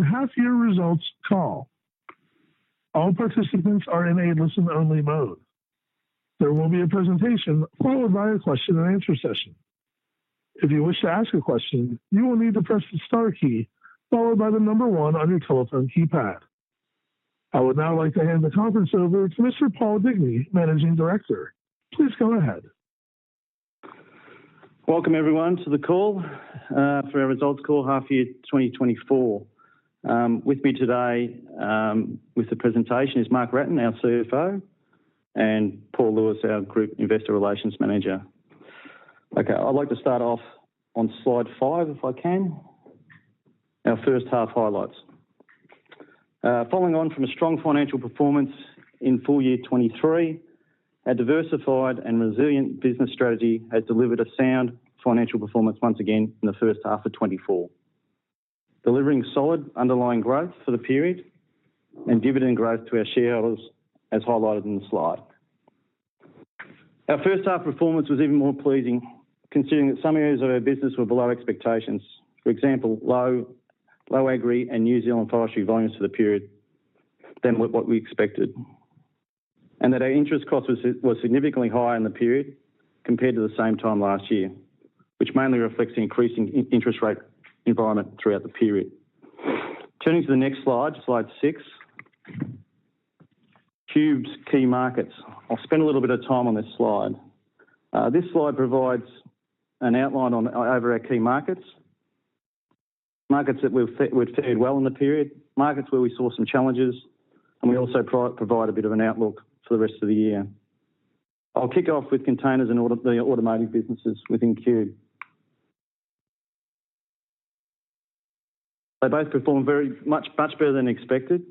The Half-Year Results Call. All participants are in a listen-only mode. There will be a presentation followed by a question-and-answer session. If you wish to ask a question, you will need to press the star key followed by the number one on your telephone keypad. I would now like to hand the conference over to Mr. Paul Digney, Managing Director. Please go ahead. Welcome everyone to the Qube Results Call Half-Year 2024. With me today with the presentation is Mark Wratten, our CFO, and Paul Lewis, our Group Investor Relations Manager. Okay, I'd like to start off on slide five if I can, our first half highlights. Following on from a strong financial performance in full year 2023, our diversified and resilient business strategy has delivered a sound financial performance once again in the first half of 2024, delivering solid underlying growth for the period and dividend growth to our shareholders as highlighted in the slide. Our first half performance was even more pleasing considering that some areas of our business were below expectations, for example, low Agri and New Zealand Forestry volumes for the period than what we expected, and that our interest cost was significantly higher in the period compared to the same time last year, which mainly reflects the increasing interest rate environment throughout the period. Turning to the next slide, slide six, Qube's key markets. I'll spend a little bit of time on this slide. This slide provides an outline over our key markets, markets that would have fared well in the period, markets where we saw some challenges, and we also provide a bit of an outlook for the rest of the year. I'll kick off with containers and the automating businesses within Qube. They both performed very much, much better than expected.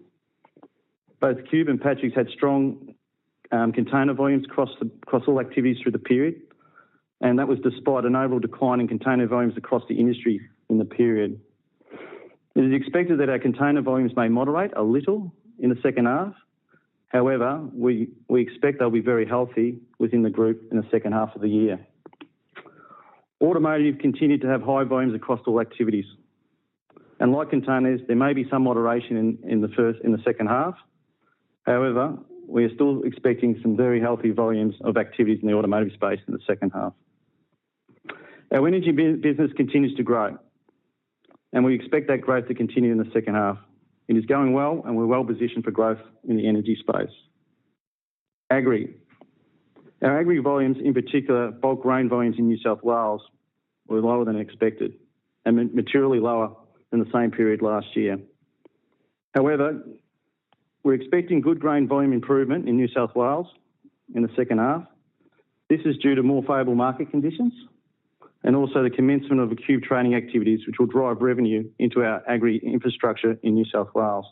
Both Qube and Patrick's had strong container volumes across all activities through the period, and that was despite an overall decline in container volumes across the industry in the period. It is expected that our container volumes may moderate a little in the second half. However, we expect they'll be very healthy within the group in the second half of the year. Automotive continued to have high volumes across all activities. And like containers, there may be some moderation in the second half. However, we are still expecting some very healthy volumes of activities in the automotive space in the second half. Our energy business continues to grow, and we expect that growth to continue in the second half. It is going well, and we're well positioned for growth in the energy space. Agri. Our Agri volumes, in particular bulk grain volumes in New South Wales, were lower than expected and materially lower than the same period last year. However, we're expecting good grain volume improvement in New South Wales in the second half. This is due to more favorable market conditions and also the commencement of Qube training activities, which will drive revenue into our Agri infrastructure in New South Wales.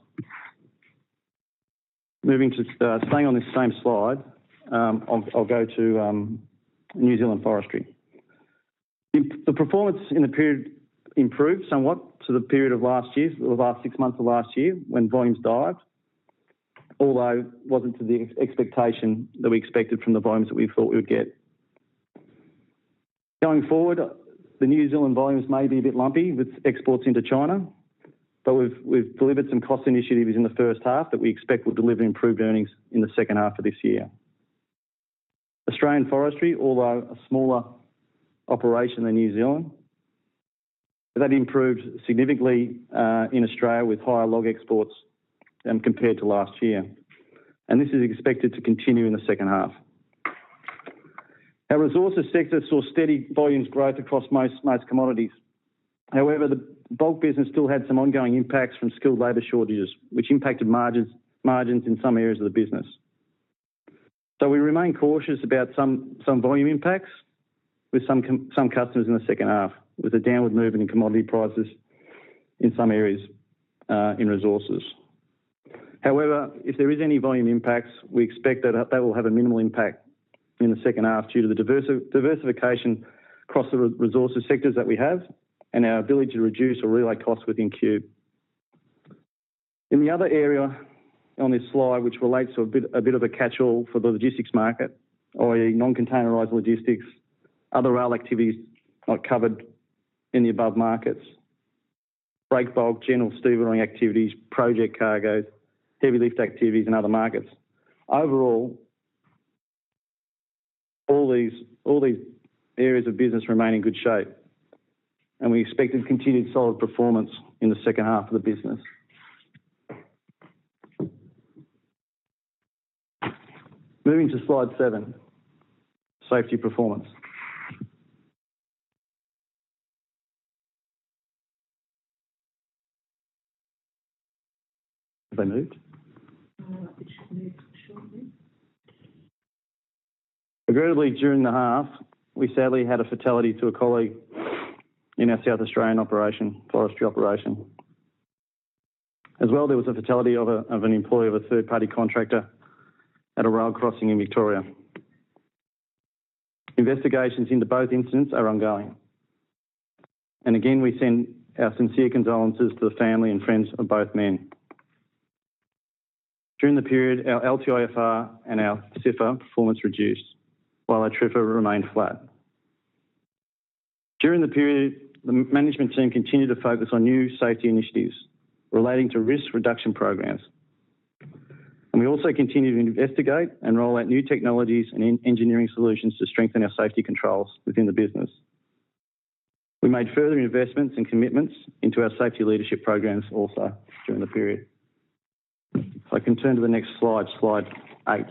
Staying on this same slide, I'll go to New Zealand Forestry. The performance in the period improved somewhat to the period of last year, the last six months of last year when volumes dived, although it wasn't to the expectation that we expected from the volumes that we thought we would get. Going forward, the New Zealand volumes may be a bit lumpy with exports into China, but we've delivered some cost initiatives in the first half that we expect will deliver improved earnings in the second half of this year. Australian forestry, although a smaller operation than New Zealand, that improved significantly in Australia with higher log exports compared to last year. This is expected to continue in the second half. Our resources sector saw steady volumes growth across most commodities. However, the Bulk business still had some ongoing impacts from skilled labor shortages, which impacted margins in some areas of the business. So we remain cautious about some volume impacts with some customers in the second half, with a downward movement in commodity prices in some areas in resources. However, if there are any volume impacts, we expect that they will have a minimal impact in the second half due to the diversification across the resources sectors that we have and our ability to reduce or relay costs within Qube. In the other area on this slide, which relates to a bit of a catch-all for the logistics market, i.e., non-containerized logistics, other rail activities not covered in the above markets, break bulk, general stevedoring activities, project cargoes, heavy lift activities, and other markets, overall, all these areas of business remain in good shape. And we expect continued solid performance in the second half of the business. Moving to slide seven, safety performance. Have they moved? It should move shortly. Agreeably, during the half, we sadly had a fatality to a colleague in our South Australian operation, forestry operation. As well, there was a fatality of an employee of a third-party contractor at a road crossing in Victoria. Investigations into both incidents are ongoing. Again, we send our sincere condolences to the family and friends of both men. During the period, our LTIFR and our CIFR performance reduced, while our TRIFR remained flat. During the period, the management team continued to focus on new safety initiatives relating to risk reduction programs. We also continued to investigate and roll out new technologies and engineering solutions to strengthen our safety controls within the business. We made further investments and commitments into our safety leadership programs also during the period. If I can turn to the next slide, slide eight.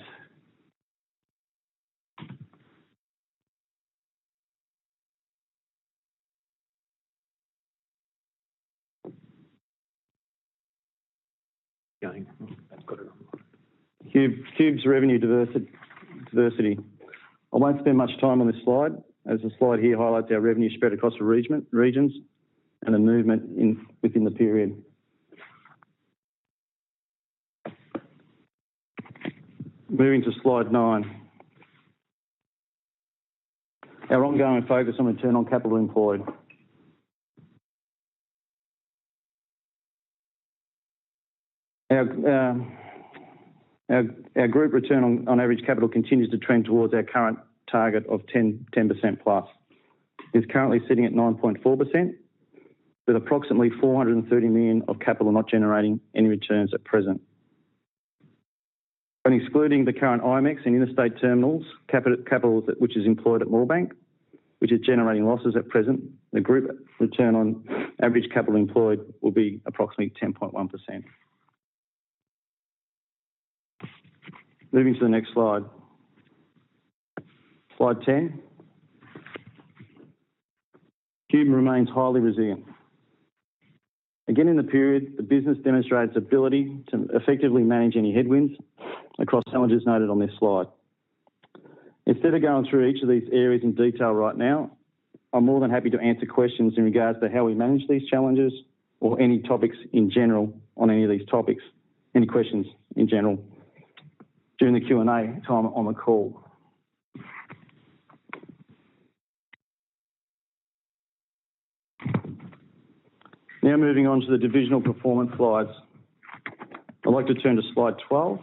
Going. That's got it on. Qube's revenue diversity. I won't spend much time on this slide as the slide here highlights our revenue spread across the regions and the movement within the period. Moving to slide nine. Our ongoing focus on return on capital employed. Our group return on average capital continues to trend towards our current target of 10%+. It's currently sitting at 9.4% with approximately 430 million of capital not generating any returns at present. Excluding the current IMEX and interstate terminals, capital which is employed at Moorebank, which is generating losses at present, the group return on average capital employed will be approximately 10.1%. Moving to the next slide. Slide 10. Qube remains highly resilient. Again, in the period, the business demonstrates ability to effectively manage any headwinds across challenges noted on this slide. Instead of going through each of these areas in detail right now, I'm more than happy to answer questions in regards to how we manage these challenges or any topics in general on any of these topics, any questions in general during the Q&A time on the call. Now moving on to the divisional performance slides. I'd like to turn to slide 12,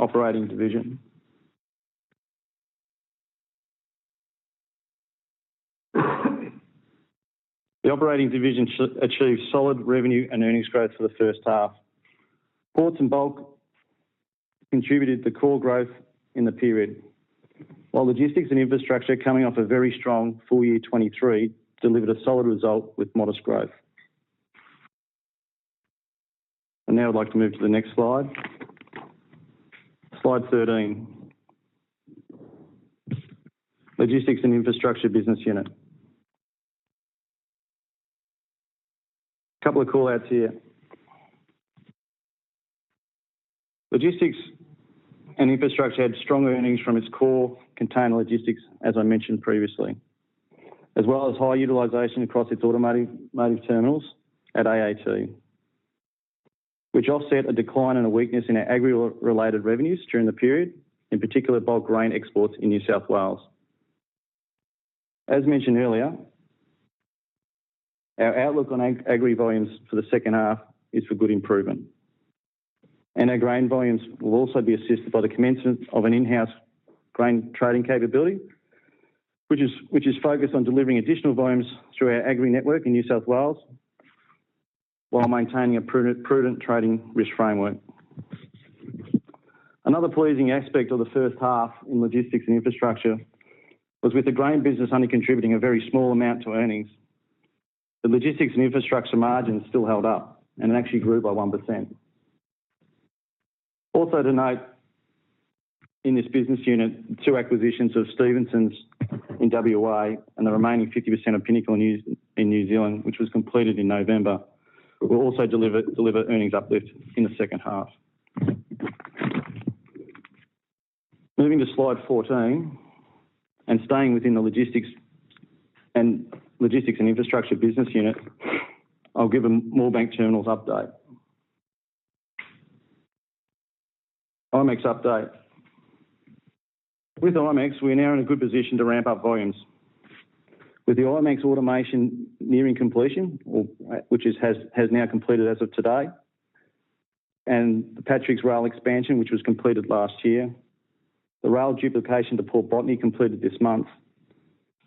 Operating Division. The Operating Division achieved solid revenue and earnings growth for the first half. Ports and Bulk contributed to core growth in the period, while Logistics and Infrastructure coming off a very strong full year 2023 delivered a solid result with modest growth. Now I'd like to move to the next slide. Slide 13. Logistics and Infrastructure Business Unit. A couple of callouts here. Logistics and infrastructure had stronger earnings from its core container logistics, as I mentioned previously, as well as high utilization across its automotive terminals at AAT, which offset a decline and a weakness in our Agri-related revenues during the period, in particular bulk grain exports in New South Wales. As mentioned earlier, our outlook on Agri volumes for the second half is for good improvement. Our grain volumes will also be assisted by the commencement of an in-house grain trading capability, which is focused on delivering additional volumes through our Agri network in New South Wales while maintaining a prudent trading risk framework. Another pleasing aspect of the first half in logistics and infrastructure was with the grain business only contributing a very small amount to earnings, the logistics and infrastructure margins still held up and actually grew by 1%. Also to note in this business unit, two acquisitions of Stevenson in WA and the remaining 50% of Pinnacle in New Zealand, which was completed in November, will also deliver earnings uplift in the second half. Moving to slide 14 and staying within the logistics and infrastructure business unit, I'll give a Moorebank terminals update. IMEX update. With IMEX, we are now in a good position to ramp up volumes with the IMEX automation nearing completion, which has now completed as of today, and the Patrick's rail expansion, which was completed last year. The rail duplication to Port Botany completed this month.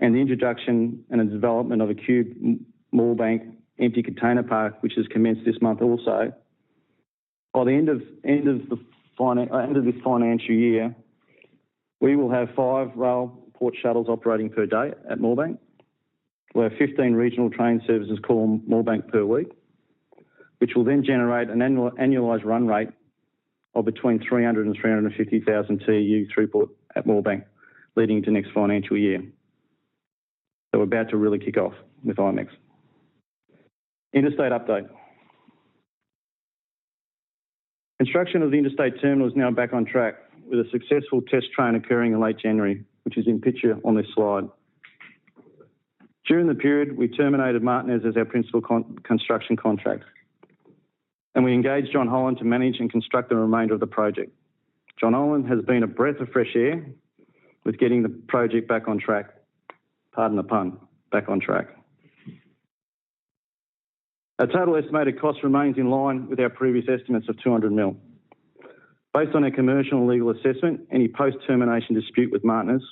And the introduction and development of a Qube Moorebank empty container park, which has commenced this month also. By the end of this financial year, we will have five rail port shuttles operating per day at Moorebank, where 15 regional train services call Moorebank per week, which will then generate an annualized run rate of between 300,000 TEU-350,000 TEU throughput at Moorebank leading into next financial year. So we're about to really kick off with IMEX. Interstate update. Construction of the interstate terminal is now back on track with a successful test train occurring in late January, which is pictured on this slide. During the period, we terminated Martinus as our principal construction contract. We engaged John Holland to manage and construct the remainder of the project. John Holland has been a breath of fresh air with getting the project back on track, pardon the pun, back on track. Our total estimated cost remains in line with our previous estimates of 200 million. Based on our commercial and legal assessment, any post-termination dispute with Martinus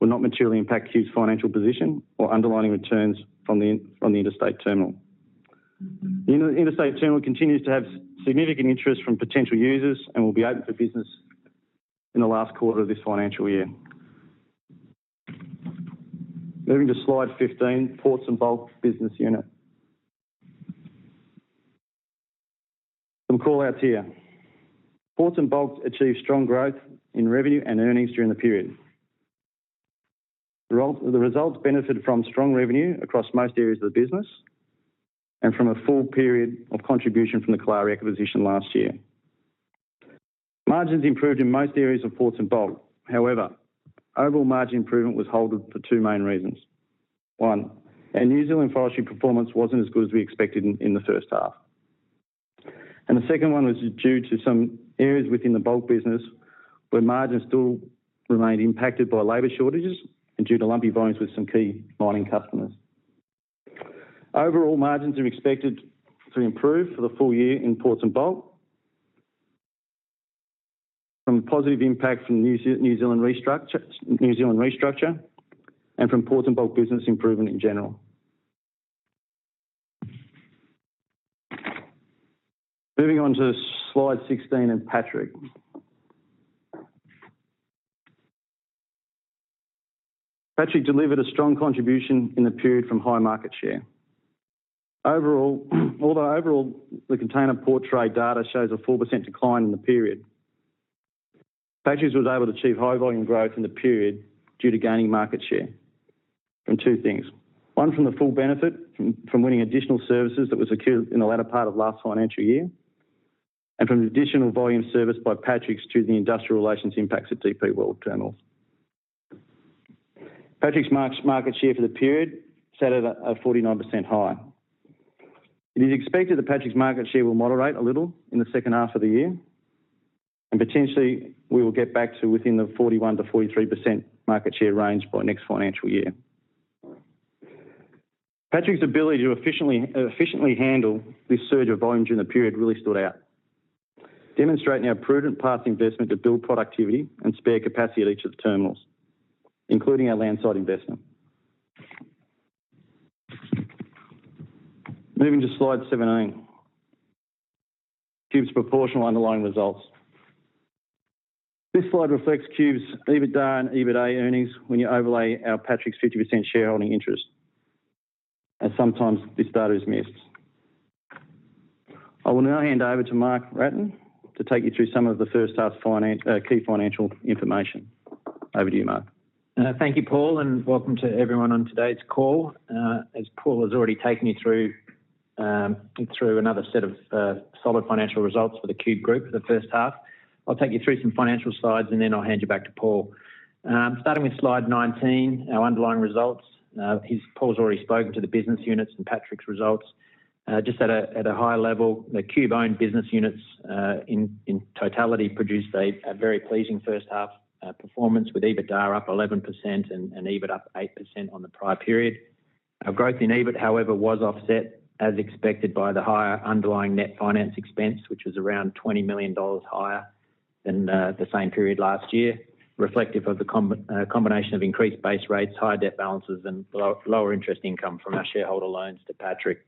will not materially impact Qube's financial position or underlying returns from the interstate terminal. The interstate terminal continues to have significant interest from potential users and will be open for business in the last quarter of this financial year. Moving to slide 15, Ports and Bulk business unit. Some callouts here. Ports and Bulk achieved strong growth in revenue and earnings during the period. The results benefited from strong revenue across most areas of the business and from a full period of contribution from the Kalari acquisition last year. Margins improved in most areas of Ports and Bulk. However, overall margin improvement was halted for two main reasons. One, our New Zealand forestry performance wasn't as good as we expected in the first half. The second one was due to some areas within the bulk business where margins still remained impacted by labor shortages and due to lumpy volumes with some key mining customers. Overall, margins are expected to improve for the full year in Ports and Bulk from a positive impact from New Zealand restructure and from ports and bulk business improvement in general. Moving on to slide 16 and Patrick. Patrick delivered a strong contribution in the period from high market share. Although overall the container port trade data shows a 4% decline in the period, Patrick was able to achieve high volume growth in the period due to gaining market share from two things. One, from the full benefit from winning additional services that was secured in the latter part of last financial year, and from additional volume service by Patrick's to the industrial relations impacts at DP World Terminals. Patrick's market share for the period sat at a 49% high. It is expected that Patrick's market share will moderate a little in the second half of the year. Potentially, we will get back to within the 41%-43% market share range by next financial year. Patrick's ability to efficiently handle this surge of volume during the period really stood out, demonstrating our prudent past investment to build productivity and spare capacity at each of the terminals, including our Landside investment. Moving to slide 17. Qube's proportional underlying results. This slide reflects Qube's EBITDA and EBITA earnings when you overlay our Patrick's 50% shareholding interest. Sometimes this data is missed. I will now hand over to Mark Wratten to take you through some of the first half's key financial information. Over to you, Mark. Thank you, Paul. Welcome to everyone on today's call. As Paul has already taken you through another set of solid financial results for the Qube group for the first half, I'll take you through some financial slides and then I'll hand you back to Paul. Starting with slide 19, our underlying results. Paul's already spoken to the business units and Patrick's results. Just at a high level, the Qube-owned business units in totality produced a very pleasing first half performance with EBITDA up 11% and EBIT up 8% on the prior period. Our growth in EBIT, however, was offset as expected by the higher underlying net finance expense, which was around 20 million dollars higher than the same period last year, reflective of the combination of increased base rates, higher debt balances, and lower interest income from our shareholder loans to Patrick.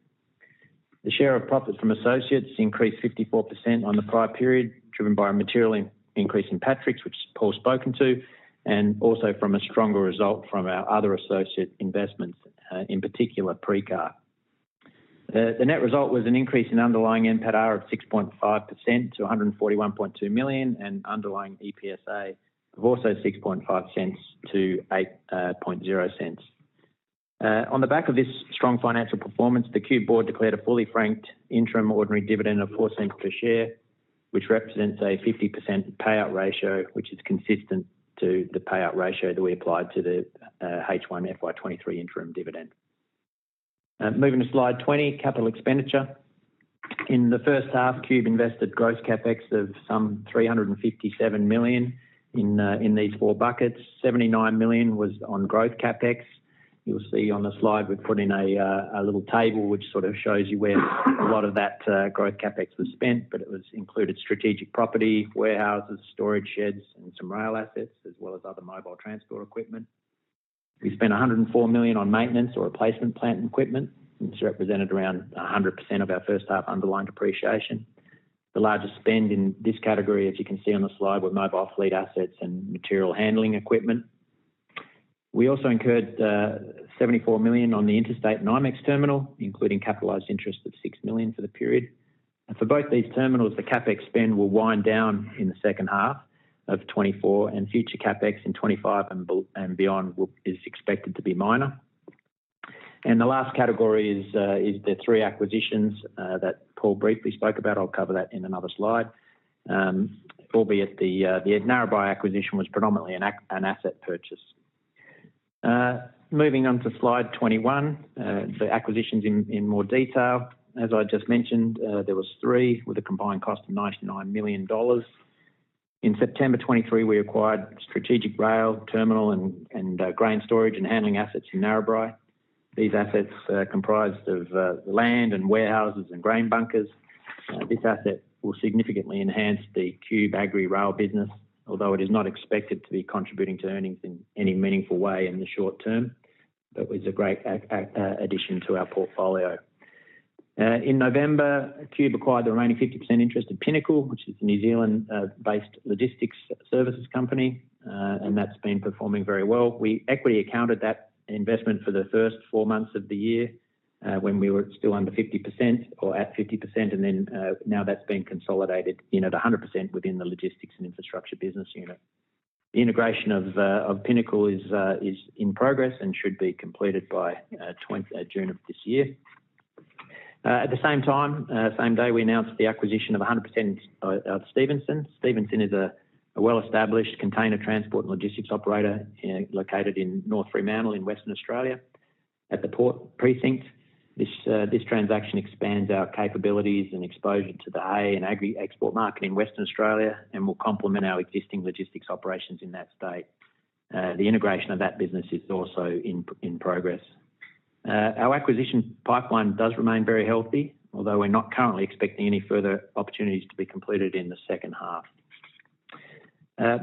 The share of profits from associates increased 54% on the prior period, driven by a material increase in Patrick's, which Paul's spoken to, and also from a stronger result from our other associate investments, in particular PrixCar. The net result was an increase in underlying NPATA of 6.5% to 141.2 million and underlying EPSA of also 6.5% to 0.80. On the back of this strong financial performance, the Qube board declared a fully franked interim ordinary dividend of 0.04 per share, which represents a 50% payout ratio, which is consistent to the payout ratio that we applied to the H1 FY2023 interim dividend. Moving to Slide 20, capital expenditure. In the first half, Qube invested gross CapEx of some 357 million in these four buckets. 79 million was on growth CapEx. You'll see on the slide we've put in a little table which sort of shows you where a lot of that growth CapEx was spent, but it included strategic property, warehouses, storage sheds, and some rail assets, as well as other mobile transport equipment. We spent 104 million on maintenance or replacement plant equipment. This represented around 100% of our first half underlying depreciation. The largest spend in this category, as you can see on the slide, were mobile fleet assets and material handling equipment. We also incurred 74 million on the interstate and IMEX terminal, including capitalized interest of 6 million for the period. And for both these terminals, the CapEx spend will wind down in the second half of 2024 and future CapEx in 2025 and beyond is expected to be minor. And the last category is the three acquisitions that Paul briefly spoke about. I'll cover that in another slide. Albeit the Narrabri acquisition was predominantly an asset purchase. Moving on to slide 21, the acquisitions in more detail. As I just mentioned, there were three with a combined cost of 99 million dollars. In September 2023, we acquired strategic rail terminal and grain storage and handling assets in Narrabri. These assets comprised of land and warehouses and grain bunkers. This asset will significantly enhance the Qube Agri Rail business, although it is not expected to be contributing to earnings in any meaningful way in the short term, but was a great addition to our portfolio. In November 2023, Qube acquired the remaining 50% interest in Pinnacle, which is the New Zealand-based logistics services company. That's been performing very well. We equity accounted that investment for the first four months of the year when we were still under 50% or at 50% and then now that's been consolidated in at 100% within the logistics and infrastructure business unit. The integration of Pinnacle is in progress and should be completed by June of this year. At the same time, same day, we announced the acquisition of 100% of Stevenson. Stevenson is a well-established container transport and logistics operator located in North Fremantle in Western Australia at the port precinct. This transaction expands our capabilities and exposure to the hay and agri export market in Western Australia and will complement our existing logistics operations in that state. The integration of that business is also in progress. Our acquisition pipeline does remain very healthy, although we're not currently expecting any further opportunities to be completed in the second half.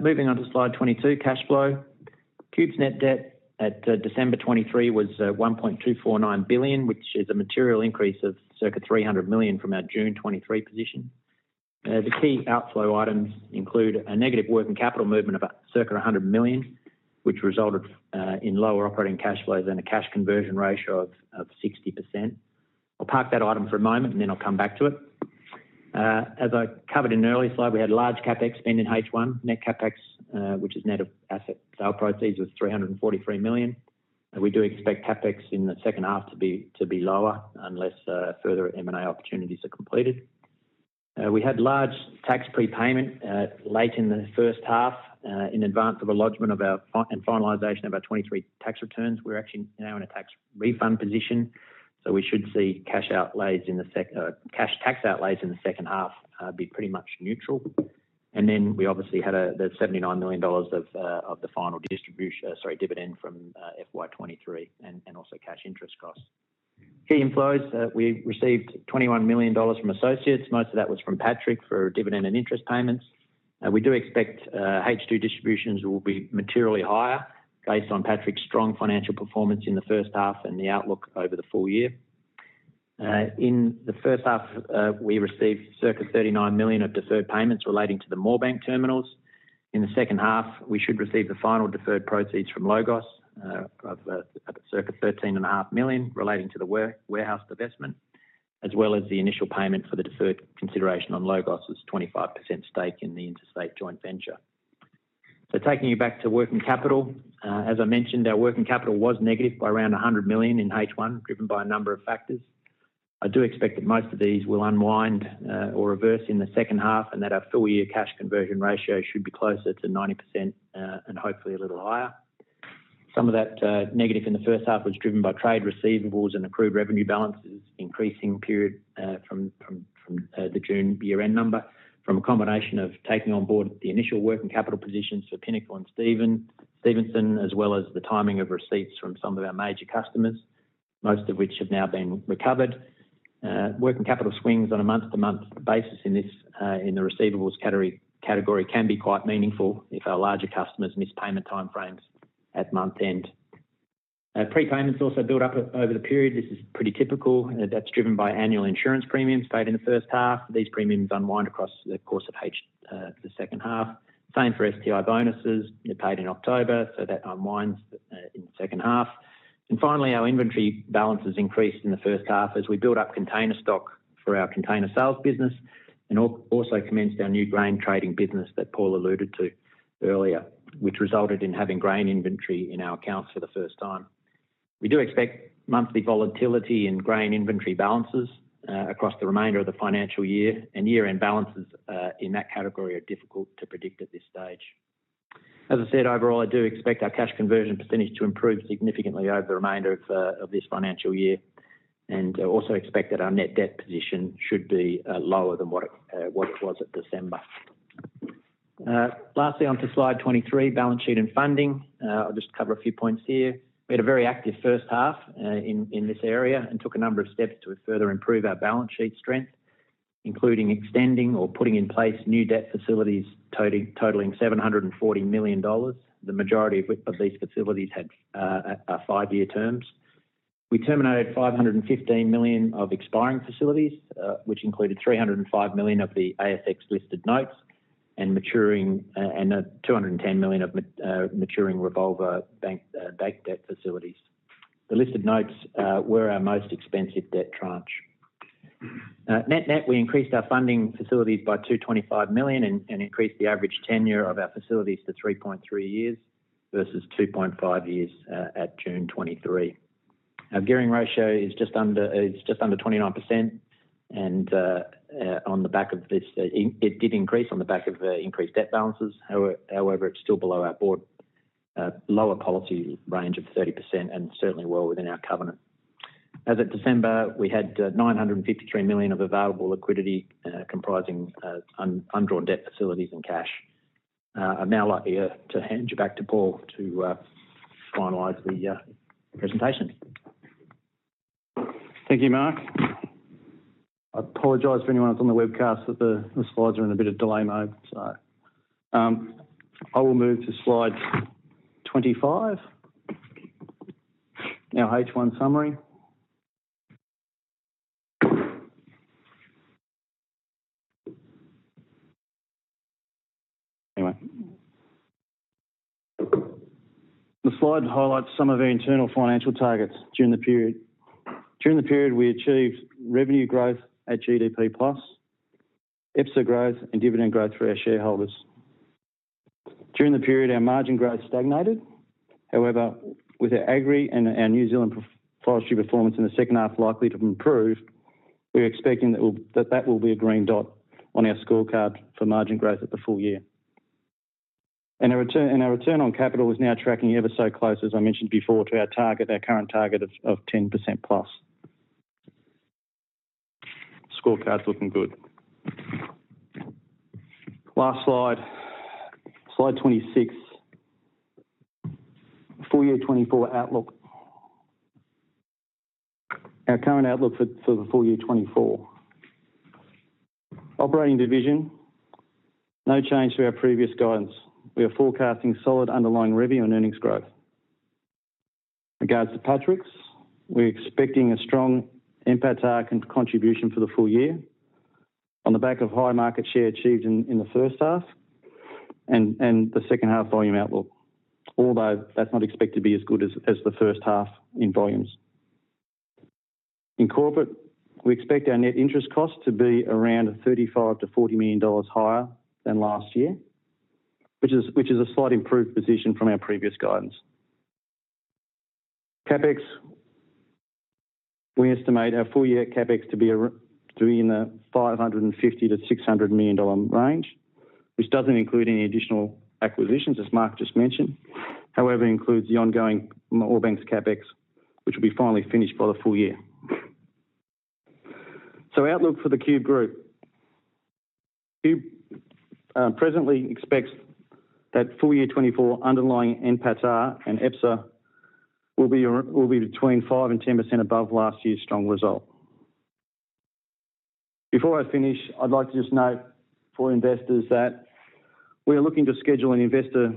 Moving on to slide 22, cash flow. Qube's net debt at December 2023 was 1.249 billion, which is a material increase of circa 300 million from our June 2023 position. The key outflow items include a negative working capital movement of circa 100 million, which resulted in lower operating cash flows and a cash conversion ratio of 60%. I'll park that item for a moment and then I'll come back to it. As I covered in an earlier slide, we had large CapEx spend in H1, net CapEx, which is net of asset sale proceeds of 343 million. We do expect CapEx in the second half to be lower unless further M&A opportunities are completed. We had large tax prepayment late in the first half in advance of allotment and finalization of our 2023 tax returns. We're actually now in a tax refund position. So we should see cash tax outlays in the second half be pretty much neutral. And then we obviously had the 79 million dollars of the final distribution sorry, dividend from FY2023 and also cash interest costs. Key inflows, we received 21 million dollars from associates. Most of that was from Patrick for dividend and interest payments. We do expect H2 distributions will be materially higher based on Patrick's strong financial performance in the first half and the outlook over the full year. In the first half, we received circa 39 million of deferred payments relating to the Moorebank terminals. In the second half, we should receive the final deferred proceeds from Logos of circa 13.5 million relating to the warehouse divestment, as well as the initial payment for the deferred consideration on Logos's 25% stake in the interstate joint venture. Taking you back to working capital. As I mentioned, our working capital was negative by around 100 million in H1 driven by a number of factors. I do expect that most of these will unwind or reverse in the second half and that our full year cash conversion ratio should be closer to 90% and hopefully a little higher. Some of that negative in the first half was driven by trade receivables and accrued revenue balances increasing period from the June year-end number from a combination of taking on board the initial working capital positions for Pinnacle and Stevenson, as well as the timing of receipts from some of our major customers, most of which have now been recovered. Working capital swings on a month-to-month basis in the receivables category can be quite meaningful if our larger customers miss payment timeframes at month-end. Prepayments also built up over the period. This is pretty typical. That's driven by annual insurance premiums paid in the first half. These premiums unwind across the course of the second half. Same for STI bonuses. They're paid in October. So that unwinds in the second half. And finally, our inventory balances increased in the first half as we built up container stock for our container sales business and also commenced our new grain trading business that Paul alluded to earlier, which resulted in having grain inventory in our accounts for the first time. We do expect monthly volatility in grain inventory balances across the remainder of the financial year and year-end balances in that category are difficult to predict at this stage. As I said, overall, I do expect our cash conversion percentage to improve significantly over the remainder of this financial year. Also expect that our net debt position should be lower than what it was at December. Lastly, on to slide 23, balance sheet and funding. I'll just cover a few points here. We had a very active first half in this area and took a number of steps to further improve our balance sheet strength, including extending or putting in place new debt facilities totaling 740 million dollars. The majority of these facilities had five-year terms. We terminated 515 million of expiring facilities, which included 305 million of the ASX listed notes and 210 million of maturing revolver bank debt facilities. The listed notes were our most expensive debt tranche. Net-net, we increased our funding facilities by 225 million and increased the average tenure of our facilities to three and a third years versus two and a half years at June 2023. Our gearing ratio is just under 29%. On the back of this it did increase on the back of increased debt balances. However, it's still below our board lower policy range of 30% and certainly well within our covenant. As of December, we had 953 million of available liquidity comprising undrawn debt facilities and cash. I'm now likely to hand you back to Paul to finalize the presentation. Thank you, Mark. I apologize for anyone that's on the webcast that the slides are in a bit of delay mode. So I will move to slide 25, our H1 summary. Anyway. The slide highlights some of our internal financial targets during the period. During the period, we achieved revenue growth at GDP plus, EPSA growth, and dividend growth for our shareholders. During the period, our margin growth stagnated. However, with our Agri and our New Zealand Forestry performance in the second half likely to improve, we're expecting that that will be a green dot on our scorecard for margin growth at the full year. And our return on capital is now tracking ever so close, as I mentioned before, to our target, our current target of 10%+. Scorecard's looking good. Last slide, slide 26, full year 2024 outlook. Our current outlook for the full year 2024. Operating division, no change to our previous guidance. We are forecasting solid underlying revenue and earnings growth. Regards to Patrick's, we're expecting a strong NPATA contribution for the full year on the back of high market share achieved in the first half and the second half volume outlook, although that's not expected to be as good as the first half in volumes. In corporate, we expect our net interest costs to be around 35 million-40 million dollars higher than last year, which is a slight improved position from our previous guidance. CapEx, we estimate our full year CapEx to be in the 550 million-600 million dollar range, which doesn't include any additional acquisitions, as Mark just mentioned. However, it includes the ongoing Moorebank's CapEx, which will be finally finished for the full year. So outlook for the Qube group. Qube presently expects that full year 2024 underlying NPATA and EPSA will be between 5%-10% above last year's strong result. Before I finish, I'd like to just note for investors that we are looking to schedule an investor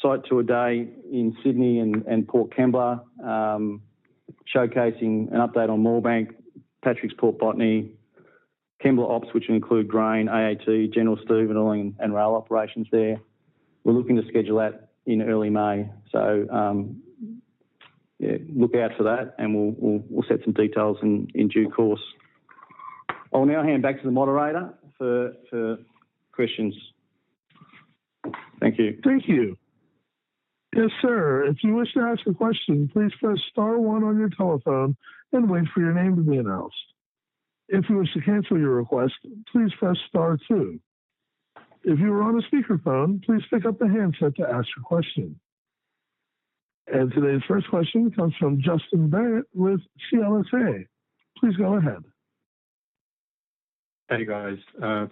site tour day in Sydney and Port Kembla showcasing an update on Moorebank, Patrick's Port Botany, Kembla Ops, which include grain, AAT, general stevedoring, and all our rail operations there. We're looking to schedule that in early May. So look out for that and we'll set some details in due course. I will now hand back to the moderator for questions. Thank you. Thank you. Yes, sir. If you wish to ask a question, please press star one on your telephone and wait for your name to be announced. If you wish to cancel your request, please press star two. If you are on a speakerphone, please pick up the handset to ask your question. Today's first question comes from Justin Barratt with CLSA. Please go ahead. Hey, guys.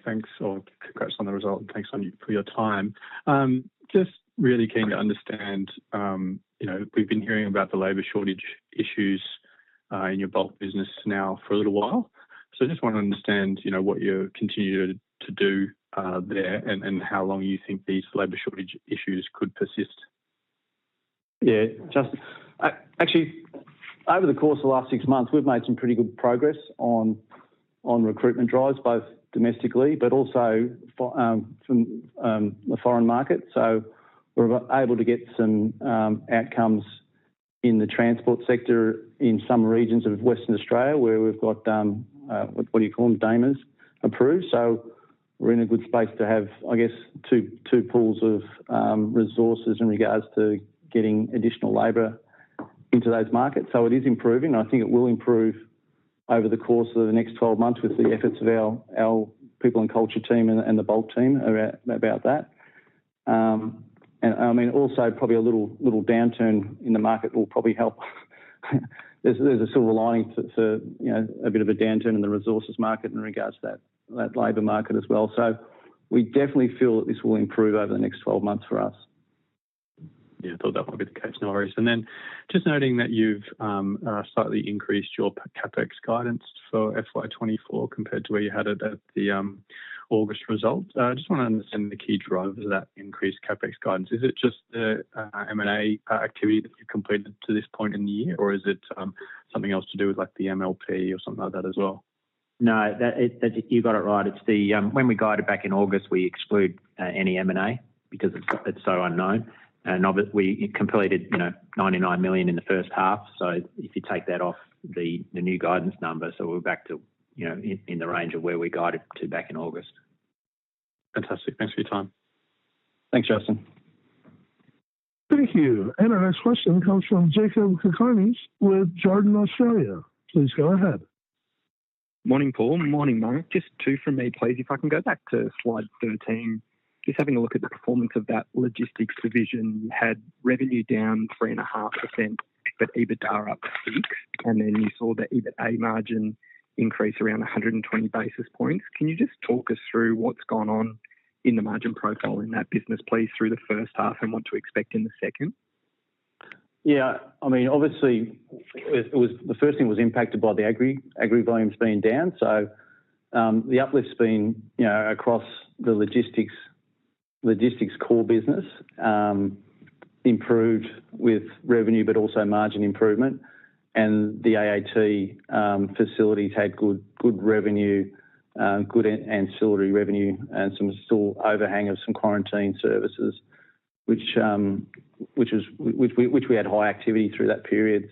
Thanks or congrats on the result and thanks for your time. Just really keen to understand we've been hearing about the labor shortage issues in your bulk business now for a little while. So I just want to understand what you continue to do there and how long you think these labor shortage issues could persist. Yeah, Justin. Actually, over the course of the last six months, we've made some pretty good progress on recruitment drives both domestically but also from the foreign market. So we're able to get some outcomes in the transport sector in some regions of Western Australia where we've got what do you call them? DAMAs approved. So we're in a good space to have, I guess, two pools of resources in regards to getting additional labor into those markets. So it is improving. I think it will improve over the course of the next 12 months with the efforts of our people and culture team and the bulk team about that. And I mean, also probably a little downturn in the market will probably help. There's a silver lining for a bit of a downturn in the resources market in regards to that labor market as well. So we definitely feel that this will improve over the next 12 months for us. Yeah, I thought that might be the case. No worries. And then just noting that you've slightly increased your CapEx guidance for FY2024 compared to where you had it at the August result, I just want to understand the key drivers of that increased CapEx guidance. Is it just the M&A activity that you've completed to this point in the year or is it something else to do with the MLP or something like that as well? No, you've got it right. When we guided back in August, we exclude any M&A because it's so unknown. And we completed 99 million in the first half. So if you take that off the new guidance number, so we're back in the range of where we guided to back in August. Fantastic. Thanks for your time. Thanks, Justin. Thank you. Our next question comes from Jakob Cakarnis with Jarden Australia. Please go ahead. Morning, Paul. Morning, Mark. Just two from me. Please, if I can go back to slide 13. Just having a look at the performance of that logistics division. You had revenue down 3.5% but EBITDA are up 6%. And then you saw the EBITA margin increase around 120 basis points. Can you just talk us through what's gone on in the margin profile in that business, please, through the first half and what to expect in the second? Yeah. I mean, obviously, the first thing was impacted by the Agri volumes being down. So the uplift's been across the logistics core business improved with revenue but also margin improvement. And the AAT facilities had good revenue, good ancillary revenue, and some still overhang of some quarantine services, which we had high activity through that period.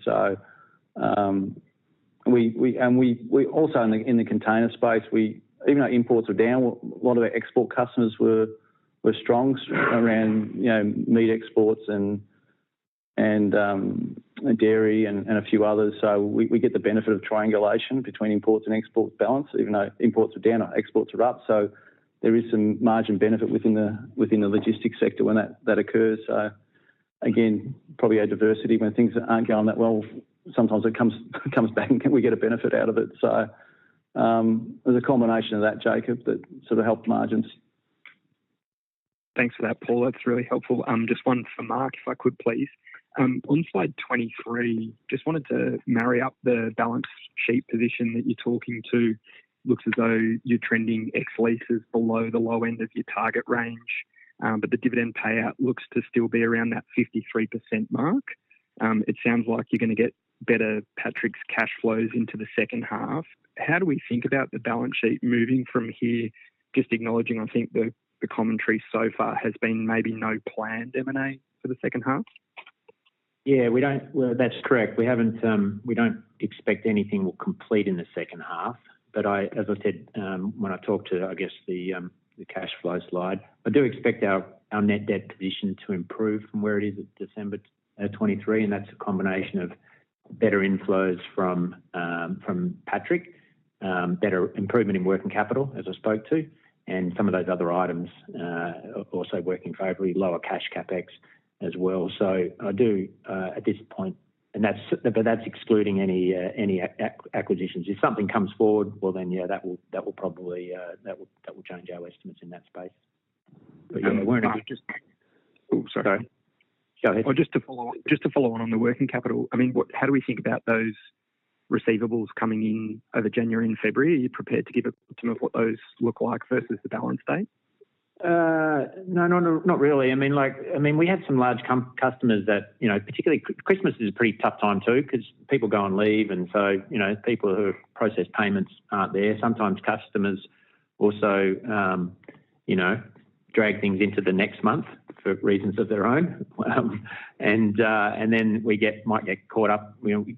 And also, in the container space, even though imports were down, a lot of our export customers were strong around meat exports and dairy and a few others. So we get the benefit of triangulation between imports and exports balance, even though imports are down, exports are up. So there is some margin benefit within the logistics sector when that occurs. So again, probably a diversity. When things aren't going that well, sometimes it comes back and we get a benefit out of it. There's a combination of that, Jakob, that sort of helped margins. Thanks for that, Paul. That's really helpful. Just one for Mark, if I could, please. On slide 23, just wanted to marry up the balance sheet position that you're talking to. Looks as though you're trending ex-leases below the low end of your target range. But the dividend payout looks to still be around that 53% mark. It sounds like you're going to get better Patrick's cash flows into the second half. How do we think about the balance sheet moving from here? Just acknowledging, I think, the commentary so far has been maybe no planned M&A for the second half. Yeah, that's correct. We don't expect anything will complete in the second half. But as I said, when I talked to, I guess, the cash flow slide, I do expect our net debt position to improve from where it is at December 2023. And that's a combination of better inflows from Patrick, better improvement in working capital, as I spoke to, and some of those other items also working favorably, lower cash CapEx as well. So I do, at this point and but that's excluding any acquisitions. If something comes forward, well, then, yeah, that will probably change our estimates in that space. But yeah, we're in a good just. Oh, sorry. Sorry. Go ahead. Just to follow on on the working capital. I mean, how do we think about those receivables coming in over January and February? Are you prepared to give a quantum of what those look like versus the balance date? No, not really. I mean, we had some large customers. That, particularly, Christmas, is a pretty tough time too because people go on leave. So people who process payments aren't there. Sometimes customers also drag things into the next month for reasons of their own. Then we might get caught up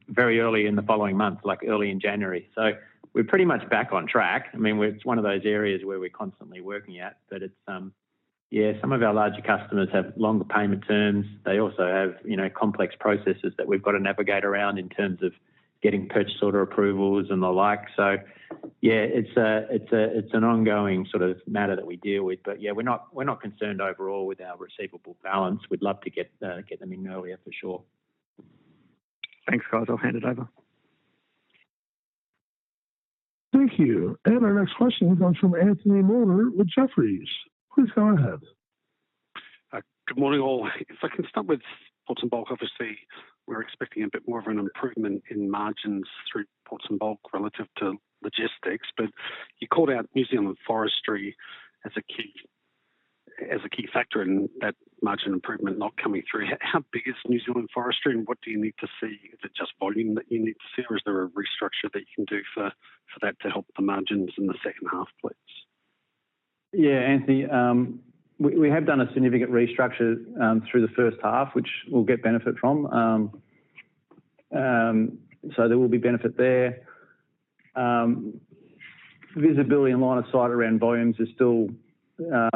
very early in the following month, like early in January. So we're pretty much back on track. I mean, it's one of those areas where we're constantly working at. But yeah, some of our larger customers have longer payment terms. They also have complex processes that we've got to navigate around in terms of getting purchase order approvals and the like. So yeah, it's an ongoing sort of matter that we deal with. But yeah, we're not concerned overall with our receivable balance. We'd love to get them in earlier for sure. Thanks, guys. I'll hand it over. Thank you. And our next question comes from Anthony Moulder with Jefferies. Please go ahead. Good morning, all. If I can start with ports and bulk, obviously, we're expecting a bit more of an improvement in margins through ports and bulk relative to logistics. But you called out New Zealand forestry as a key factor in that margin improvement not coming through. How big is New Zealand forestry and what do you need to see? Is it just volume that you need to see or is there a restructure that you can do for that to help the margins in the second half, please? Yeah, Anthony. We have done a significant restructure through the first half, which we'll get benefit from. So there will be benefit there. Visibility and line of sight around volumes is still a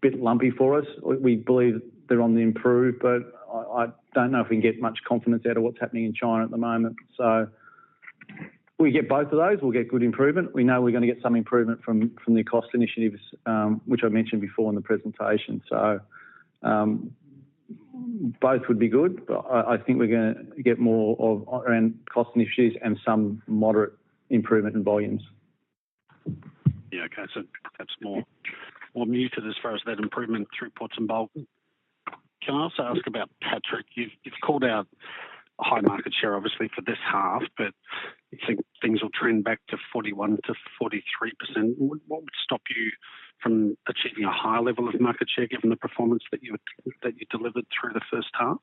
bit lumpy for us. We believe they're on the improve. But I don't know if we can get much confidence out of what's happening in China at the moment. So we get both of those. We'll get good improvement. We know we're going to get some improvement from the cost initiatives, which I mentioned before in the presentation. So both would be good. But I think we're going to get more around cost initiatives and some moderate improvement in volumes. Yeah, okay. So perhaps more muted as far as that improvement through Ports and Bulk. Can I also ask about Patrick? You've called out high market share, obviously, for this half. But you think things will trend back to 41%-43%. What would stop you from achieving a high level of market share given the performance that you delivered through the first half?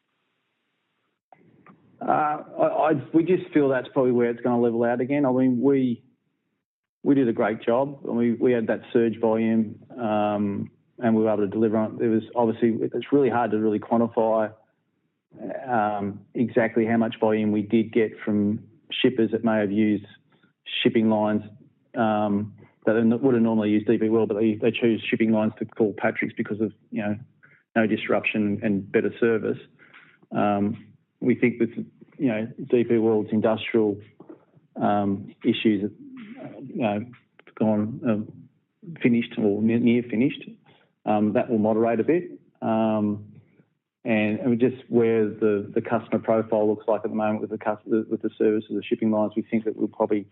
We just feel that's probably where it's going to level out again. I mean, we did a great job. I mean, we had that surge volume and we were able to deliver on it. Obviously, it's really hard to really quantify exactly how much volume we did get from shippers that may have used shipping lines that would have normally used DP World. But they choose shipping lines to call Patrick's because of no disruption and better service. We think with DP World's industrial issues finished or near finished, that will moderate a bit. And just where the customer profile looks like at the moment with the service of the shipping lines, we think that we'll probably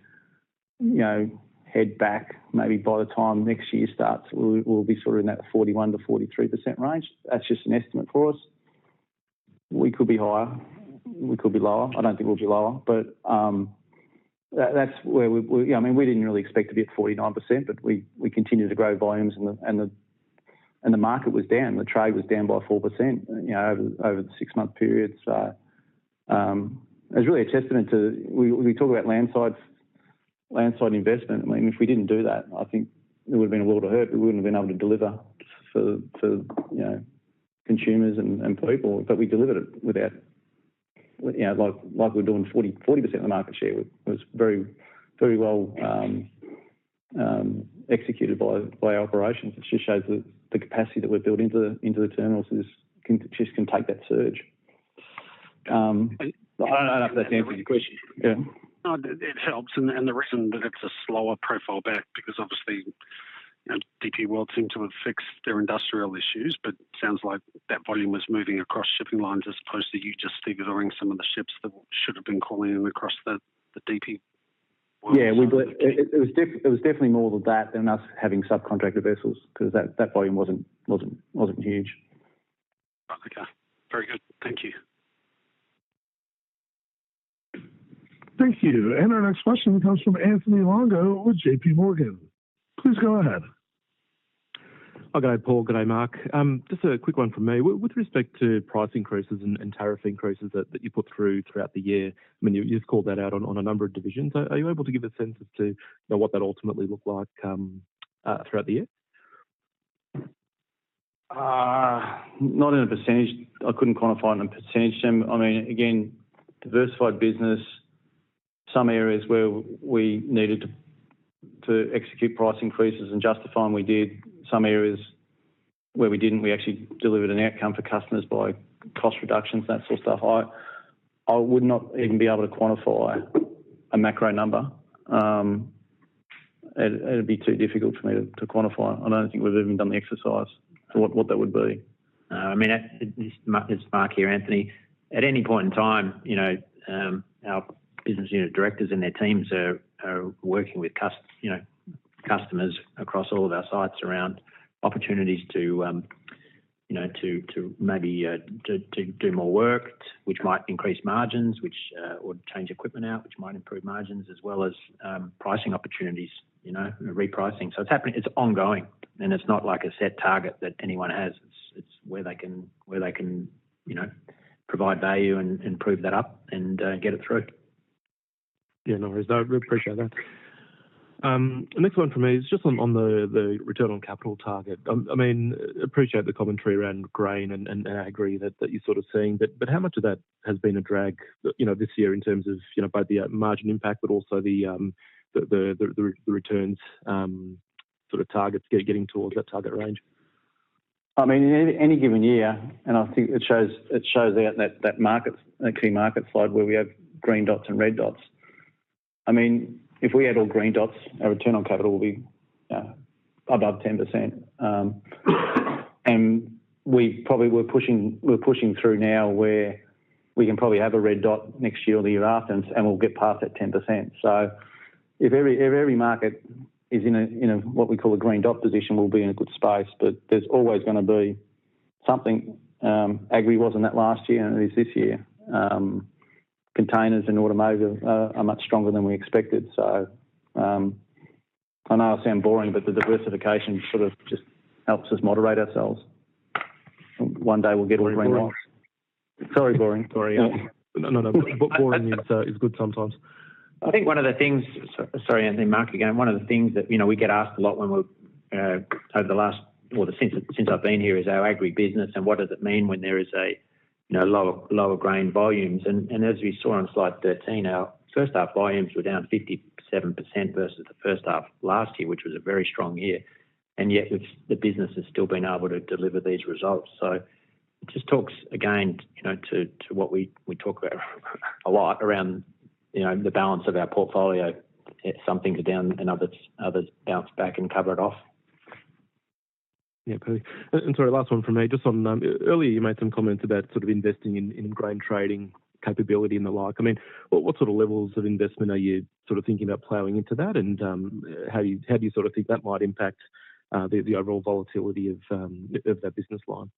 head back. Maybe by the time next year starts, we'll be sort of in that 41%-43% range. That's just an estimate for us. We could be higher. We could be lower. I don't think we'll be lower. But that's where we I mean, we didn't really expect to be at 49%. But we continued to grow volumes and the market was down. The trade was down by 4% over the six-month period. So it's really a testament to we talk about Landside investment. I mean, if we didn't do that, I think it would have been a world of hurt. We wouldn't have been able to deliver for consumers and people. But we delivered it without like we were doing, 40% of the market share was very well executed by our operations. It just shows that the capacity that we've built into the terminals just can take that surge. I don't know if that's answered your question. Yeah. No, it helps. And the reason that it's a slower profile back because, obviously, DP World seemed to have fixed their industrial issues. But it sounds like that volume was moving across shipping lines as opposed to you just stevedoring some of the ships that should have been calling in across the DP World. Yeah, it was definitely more than that than us having subcontracted vessels because that volume wasn't huge. Okay. Very good. Thank you. Thank you. Our next question comes from Anthony Longo with JPMorgan. Please go ahead. All right, Paul. Good day, Mark. Just a quick one from me. With respect to price increases and tariff increases that you put through throughout the year, I mean, you've called that out on a number of divisions. Are you able to give a sense as to what that ultimately looked like throughout the year? Not in a percentage. I couldn't quantify it in a percentage term. I mean, again, diversified business. Some areas where we needed to execute price increases and justify them, we did. Some areas where we didn't, we actually delivered an outcome for customers by cost reductions and that sort of stuff. I would not even be able to quantify a macro number. It'd be too difficult for me to quantify. I don't think we've even done the exercise for what that would be. No, I mean, it's Mark here, Anthony. At any point in time, our business unit directors and their teams are working with customers across all of our sites around opportunities to maybe do more work, which might increase margins, or change equipment out, which might improve margins, as well as pricing opportunities, repricing. So it's ongoing. And it's not like a set target that anyone has. It's where they can provide value and prove that up and get it through. Yeah, no worries. I really appreciate that. The next one from me is just on the return on capital target. I mean, appreciate the commentary around Grain and Agri that you're sort of seeing. But how much of that has been a drag this year in terms of both the margin impact but also the returns sort of targets getting towards that target range? I mean, in any given year, and I think it shows out that key market slide where we have green dots and red dots. I mean, if we had all green dots, our return on capital would be above 10%. And we probably were pushing through now where we can probably have a red dot next year or the year after and we'll get past that 10%. So if every market is in what we call a green dot position, we'll be in a good space. But there's always going to be something. Agri wasn't that last year and it is this year. Containers and automotive are much stronger than we expected. So I know I sound boring, but the diversification sort of just helps us moderate ourselves. One day, we'll get all green dots. Sorry, boring. Sorry, yeah. No, no, no. Boring is good sometimes. I think one of the things, sorry, Anthony, Mark again. One of the things that we get asked a lot over the last, well, since I've been here is our Agri business and what does it mean when there is lower grain volumes. And as you saw on slide 13, our first half volumes were down 57% versus the first half last year, which was a very strong year. And yet, the business has still been able to deliver these results. So it just talks, again, to what we talk about a lot around the balance of our portfolio. Some things are down and others bounce back and cover it off. Yeah, perfect. And sorry, last one from me. Earlier, you made some comments about sort of investing in grain trading capability and the like. I mean, what sort of levels of investment are you sort of thinking about plowing into that? And how do you sort of think that might impact the overall volatility of that business line?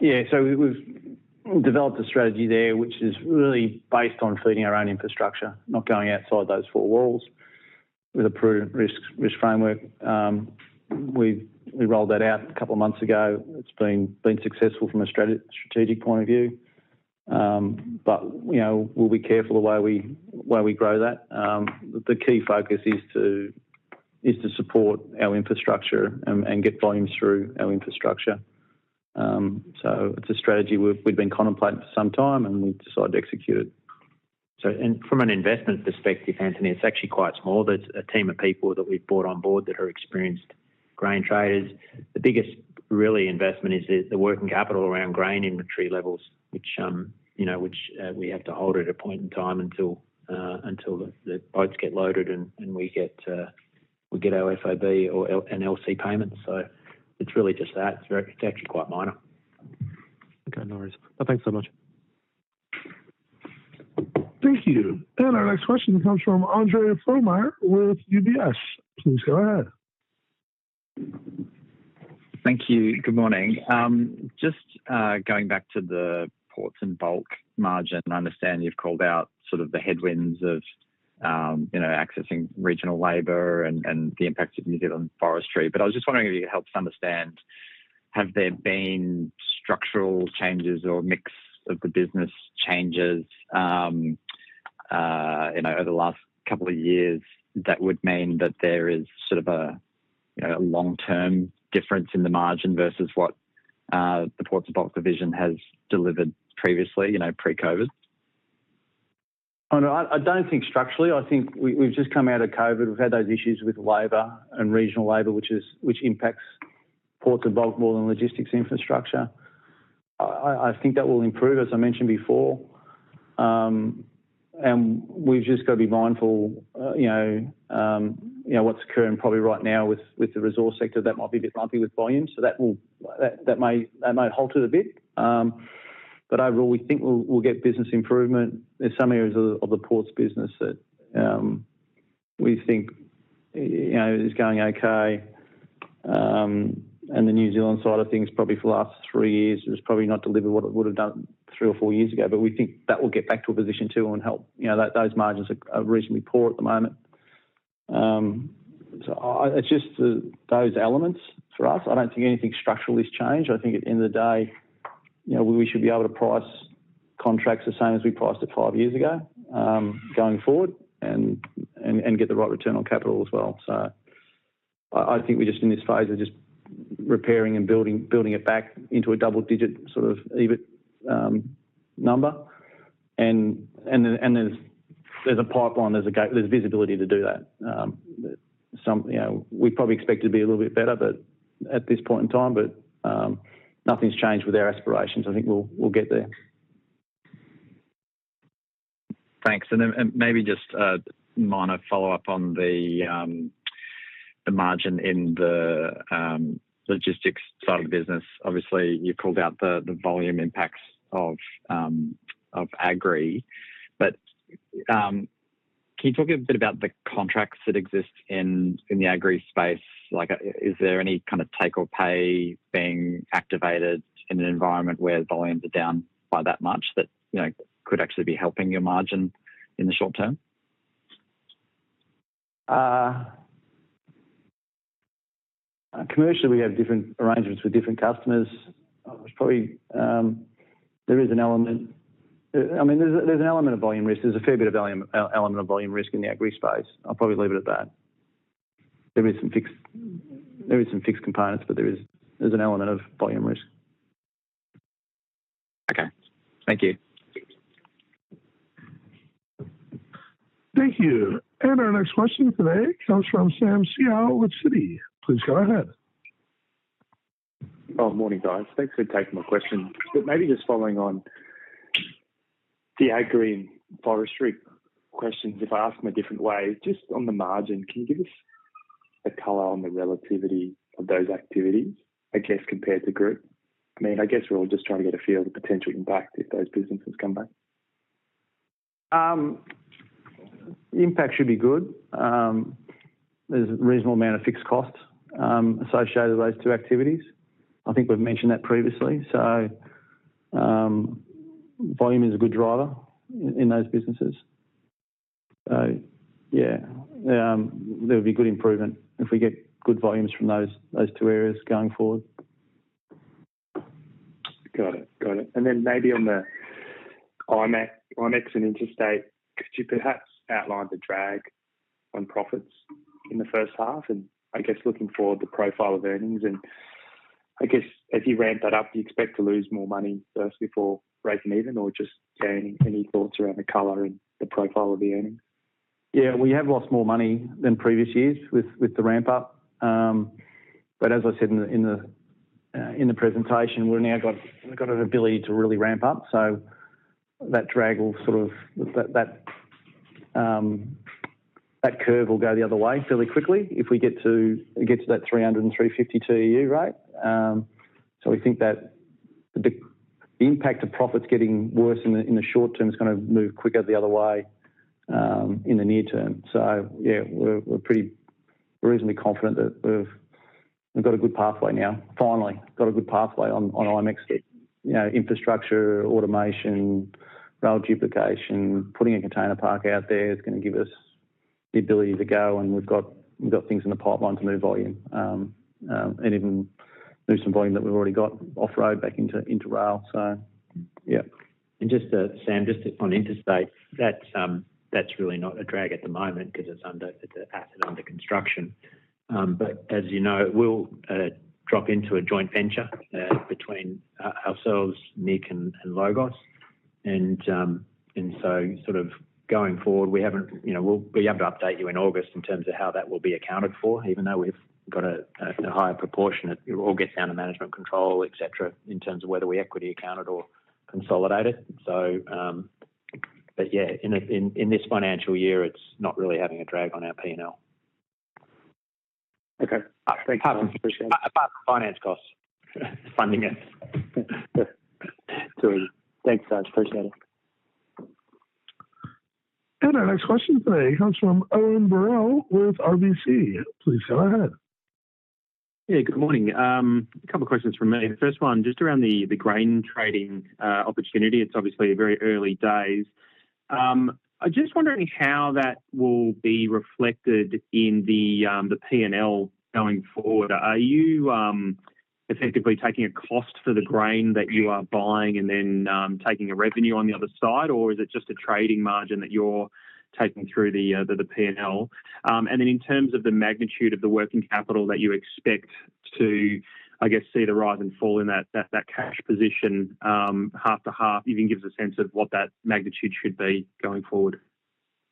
Yeah, so we've developed a strategy there which is really based on feeding our own infrastructure, not going outside those four walls with a prudent risk framework. We rolled that out a couple of months ago. It's been successful from a strategic point of view. We'll be careful the way we grow that. The key focus is to support our infrastructure and get volumes through our infrastructure. It's a strategy we've been contemplating for some time and we've decided to execute it. From an investment perspective, Anthony, it's actually quite small. There's a team of people that we've brought on board that are experienced grain traders. The biggest, really, investment is the working capital around grain inventory levels, which we have to hold at a point in time until the boats get loaded and we get our FOB and LC payments. So it's really just that. It's actually quite minor. Okay, no worries. Thanks so much. Thank you. Our next question comes from Andre Fromyhr with UBS. Please go ahead. Thank you. Good morning. Just going back to the ports and bulk margin, I understand you've called out sort of the headwinds of accessing regional labor and the impact of New Zealand forestry. But I was just wondering if you could help us understand, have there been structural changes or mix of the business changes over the last couple of years that would mean that there is sort of a long-term difference in the margin versus what the ports and bulk division has delivered previously, pre-COVID? I don't think structurally. I think we've just come out of COVID. We've had those issues with labor and regional labor, which impacts ports and bulk more than logistics infrastructure. I think that will improve, as I mentioned before. And we've just got to be mindful what's occurring probably right now with the resource sector. That might be a bit lumpy with volumes. So that might halt it a bit. But overall, we think we'll get business improvement. There's some areas of the ports business that we think is going okay. And the New Zealand side of things, probably for the last three years, it's probably not delivered what it would have done three or four years ago. But we think that will get back to a position too and help. Those margins are reasonably poor at the moment. So it's just those elements for us. I don't think anything structurally has changed. I think at the end of the day, we should be able to price contracts the same as we priced it five years ago going forward and get the right return on capital as well. So I think we're just in this phase of just repairing and building it back into a double-digit sort of EBIT number. And there's a pipeline. There's visibility to do that. We probably expect it to be a little bit better at this point in time. But nothing's changed with our aspirations. I think we'll get there. Thanks. And maybe just a minor follow-up on the margin in the logistics side of the business. Obviously, you've called out the volume impacts of Agri. But can you talk a bit about the contracts that exist in the Agri Space? Is there any kind of take-or-pay being activated in an environment where volumes are down by that much that could actually be helping your margin in the short term? Commercially, we have different arrangements with different customers. There is an element I mean, there's an element of volume risk. There's a fair bit of element of volume risk in the Agri Space. I'll probably leave it at that. There is some fixed components, but there is an element of volume risk. Okay. Thank you. Thank you. And our next question today comes from Sam Seow with Citi. Please go ahead. Oh, morning, guys. Thanks for taking my question. But maybe just following on the Agri and Forestry questions, if I ask them a different way, just on the margin, can you give us a color on the relativity of those activities, I guess, compared to group? I mean, I guess we're all just trying to get a feel of the potential impact if those businesses come back. Impact should be good. There's a reasonable amount of fixed costs associated with those two activities. I think we've mentioned that previously. So volume is a good driver in those businesses. So yeah, there would be good improvement if we get good volumes from those two areas going forward. Got it. Got it. And then maybe on the IMEX and Interstate, could you perhaps outline the drag on profits in the first half and, I guess, looking forward to profile of earnings? And I guess, as you ramp that up, do you expect to lose more money first before breaking even or just any thoughts around the colour and the profile of the earnings? Yeah, we have lost more money than previous years with the ramp-up. But as I said in the presentation, we've now got an ability to really ramp up. So that drag will sort of that curve will go the other way fairly quickly if we get to that 300 TEU and 350 TEU rate. So we think that the impact of profits getting worse in the short term is going to move quicker the other way in the near term. So yeah, we're reasonably confident that we've got a good pathway now. Finally, got a good pathway on IMEX infrastructure, automation, rail duplication. Putting a container park out there is going to give us the ability to go. And we've got things in the pipeline to move volume and even move some volume that we've already got off-road back into rail. So yeah. And just Sam, just on interstate, that's really not a drag at the moment because it's an asset under construction. But as you know, we'll drop into a joint venture between ourselves, NIC, and LOGOS. And so sort of going forward, we'll be able to update you in August in terms of how that will be accounted for, even though we've got a higher proportion. It will all get down to management control, etc., in terms of whether we equity account it or consolidate it. But yeah, in this financial year, it's not really having a drag on our P&L. Okay. Thanks so much. Appreciate it. Apart from finance costs, funding it. Thanks so much. Appreciate it. Our next question today comes from Owen Birrell with RBC. Please go ahead. Yeah, good morning. A couple of questions from me. The first one, just around the grain trading opportunity. It's obviously very early days. I'm just wondering how that will be reflected in the P&L going forward. Are you effectively taking a cost for the grain that you are buying and then taking a revenue on the other side? Or is it just a trading margin that you're taking through the P&L? And then in terms of the magnitude of the working capital that you expect to, I guess, see the rise and fall in that cash position half to half, if it gives a sense of what that magnitude should be going forward?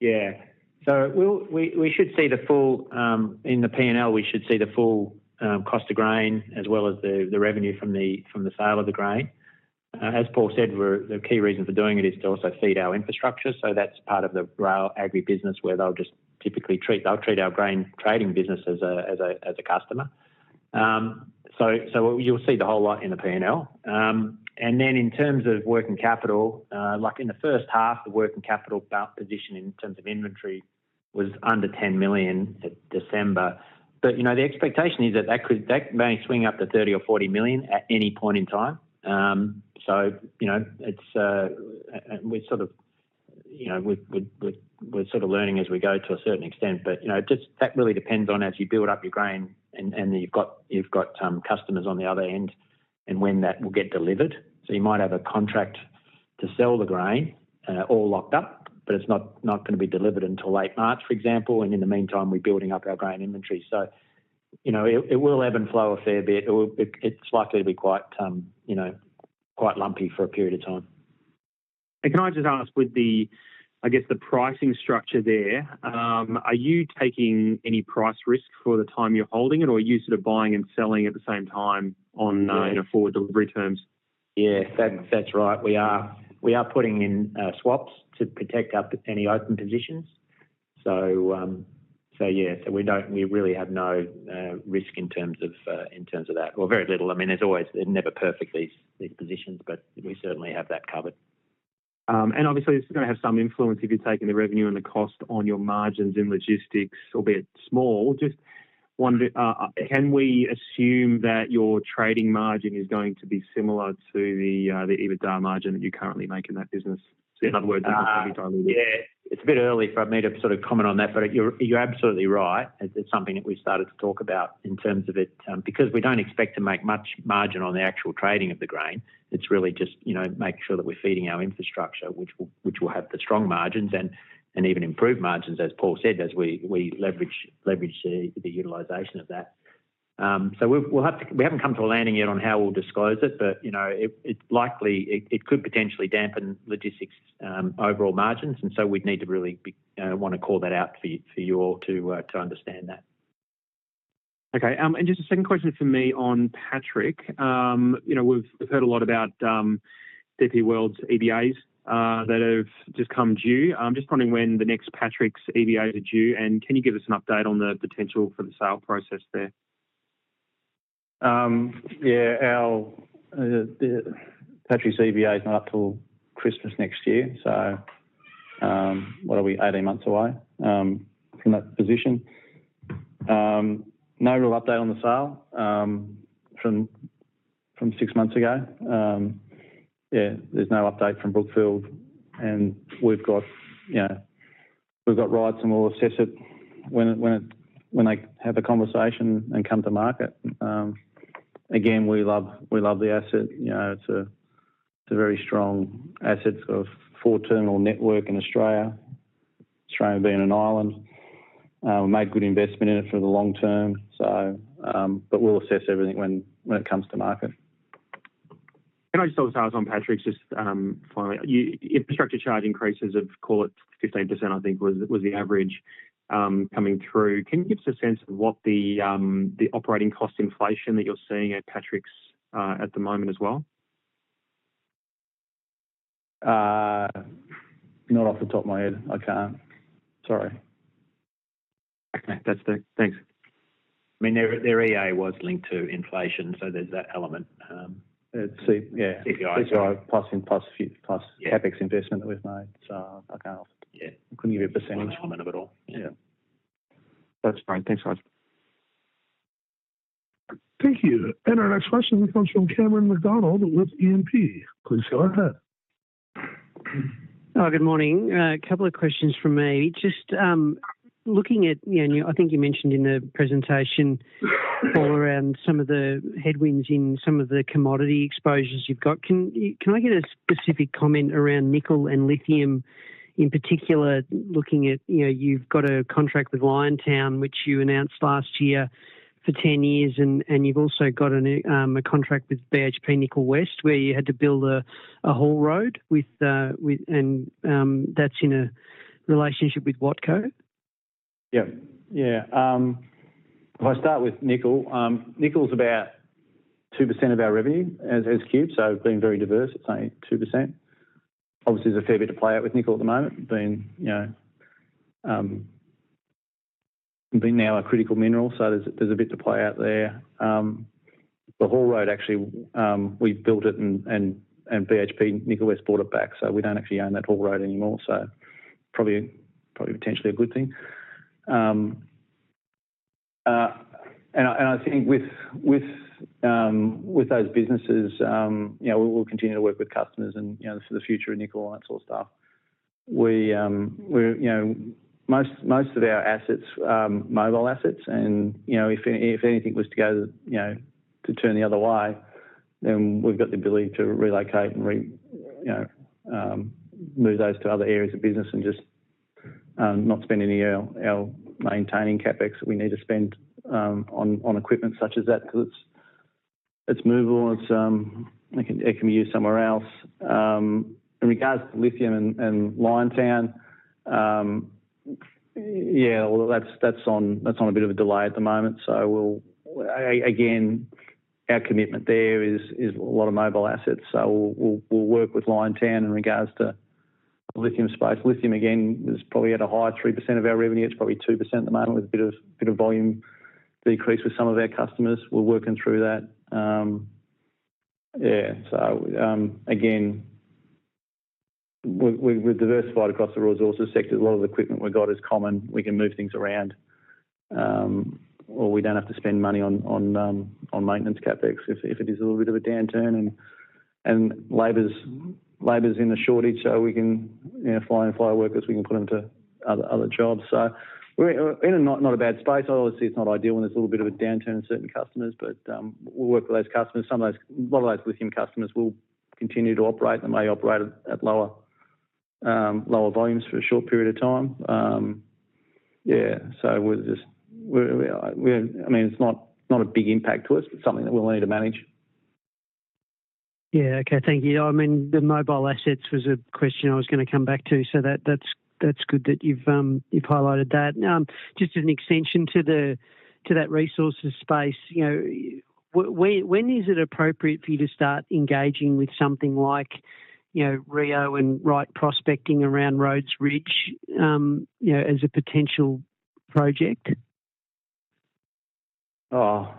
Yeah. So we should see the full in the P&L, we should see the full cost of grain as well as the revenue from the sale of the grain. As Paul said, the key reason for doing it is to also feed our infrastructure. So that's part of the Rail Agri business where they'll just typically treat our grain trading business as a customer. So you'll see the whole lot in the P&L. And then in terms of working capital, in the first half, the working capital position in terms of inventory was under 10 million at December. But the expectation is that that may swing up to 30 million or 40 million at any point in time. So it's we're sort of learning as we go to a certain extent. But that really depends on as you build up your grain and you've got customers on the other end and when that will get delivered. So you might have a contract to sell the grain all locked up, but it's not going to be delivered until late March, for example. And in the meantime, we're building up our grain inventory. So it will ebb and flow a fair bit. It's likely to be quite lumpy for a period of time. Can I just ask, I guess, the pricing structure there? Are you taking any price risk for the time you're holding it? Or are you sort of buying and selling at the same time in forward delivery terms? Yeah, that's right. We are putting in swaps to protect up any open positions. So yeah, so we really have no risk in terms of that or very little. I mean, there's always they're never perfect, these positions, but we certainly have that covered. And obviously, this is going to have some influence if you're taking the revenue and the cost on your margins in logistics, albeit small. Just wondering, can we assume that your trading margin is going to be similar to the EBITDA margin that you currently make in that business? In other words, it will probably dilute it. Yeah, it's a bit early for me to sort of comment on that. But you're absolutely right. It's something that we've started to talk about in terms of it because we don't expect to make much margin on the actual trading of the grain. It's really just make sure that we're feeding our infrastructure, which will have the strong margins and even improved margins, as Paul said, as we leverage the utilization of that. So we'll have to. We haven't come to a landing yet on how we'll disclose it. But it could potentially dampen logistics overall margins. And so we'd need to really want to call that out for you all to understand that. Okay. And just a second question for me on Patrick. We've heard a lot about DP World's EBAs that have just come due. I'm just wondering when the next Patrick's EBAs are due. And can you give us an update on the potential for the sale process there? Yeah, our Patrick's EBA is not up till Christmas next year. So what are we, 18 months away from that position? No real update on the sale from six months ago. Yeah, there's no update from Brookfield. And we've got rights and we'll assess it when they have a conversation and come to market. Again, we love the asset. It's a very strong asset, sort of four-terminal network in Australia, Australia being an island. We made good investment in it for the long term, but we'll assess everything when it comes to market. Can I just also ask on Patrick's, just finally, infrastructure charge increases of, call it 15%, I think, was the average coming through? Can you give us a sense of what the operating cost inflation that you're seeing at Patrick's at the moment as well? Not off the top of my head. I can't. Sorry. Okay. Thanks. I mean, their EA was linked to inflation. So there's that element. Yeah. CPI, plus CapEx investment that we've made. So I can't offer. I couldn't give you a percentage at the moment of it all. Yeah. That's fine. Thanks, guys. Thank you. Our next question comes from Cameron McDonald with E&P. Please go ahead. Hi. Good morning. A couple of questions from me. Just looking at, I think you mentioned in the presentation all around some of the headwinds in some of the commodity exposures you've got. Can I get a specific comment around nickel and lithium in particular, looking at you've got a contract with Liontown, which you announced last year for 10 years. And you've also got a contract with BHP Nickel West where you had to build a whole road. And that's in a relationship with Watco. Yeah. Yeah. If I start with nickel, nickel's about 2% of our revenue as Qube. So being very diverse, it's only 2%. Obviously, there's a fair bit to play out with nickel at the moment. It's been now a critical mineral. So there's a bit to play out there. The whole road, actually, we built it and BHP Nickel West bought it back. So we don't actually own that whole road anymore. So probably potentially a good thing. And I think with those businesses, we'll continue to work with customers for the future of nickel and that sort of stuff. Most of our assets are mobile assets. If anything was to go to turn the other way, then we've got the ability to relocate and move those to other areas of business and just not spend any of our maintaining CapEx that we need to spend on equipment such as that because it's movable. It can be used somewhere else. In regards to lithium and Liontown, yeah, that's on a bit of a delay at the moment. So again, our commitment there is a lot of mobile assets. So we'll work with Liontown in regards to the lithium space. Lithium, again, is probably at a high 3% of our revenue. It's probably 2% at the moment with a bit of volume decrease with some of our customers. We're working through that. Yeah. So again, we're diversified across the resources sector. A lot of the equipment we've got is common. We can move things around. Or we don't have to spend money on maintenance CapEx if it is a little bit of a downturn and labor's in a shortage. So we can fly-in fly-over workers. We can put them to other jobs. So we're in not a bad space. Obviously, it's not ideal when there's a little bit of a downturn in certain customers. But we'll work with those customers. A lot of those lithium customers will continue to operate. They may operate at lower volumes for a short period of time. Yeah. So I mean, it's not a big impact to us, but something that we'll need to manage. Yeah. Okay. Thank you. I mean, the mobile assets was a question I was going to come back to. So that's good that you've highlighted that. Just as an extension to that resources space, when is it appropriate for you to start engaging with something like Rio and Wright Prospecting around Rhodes Ridge as a potential project? Oh,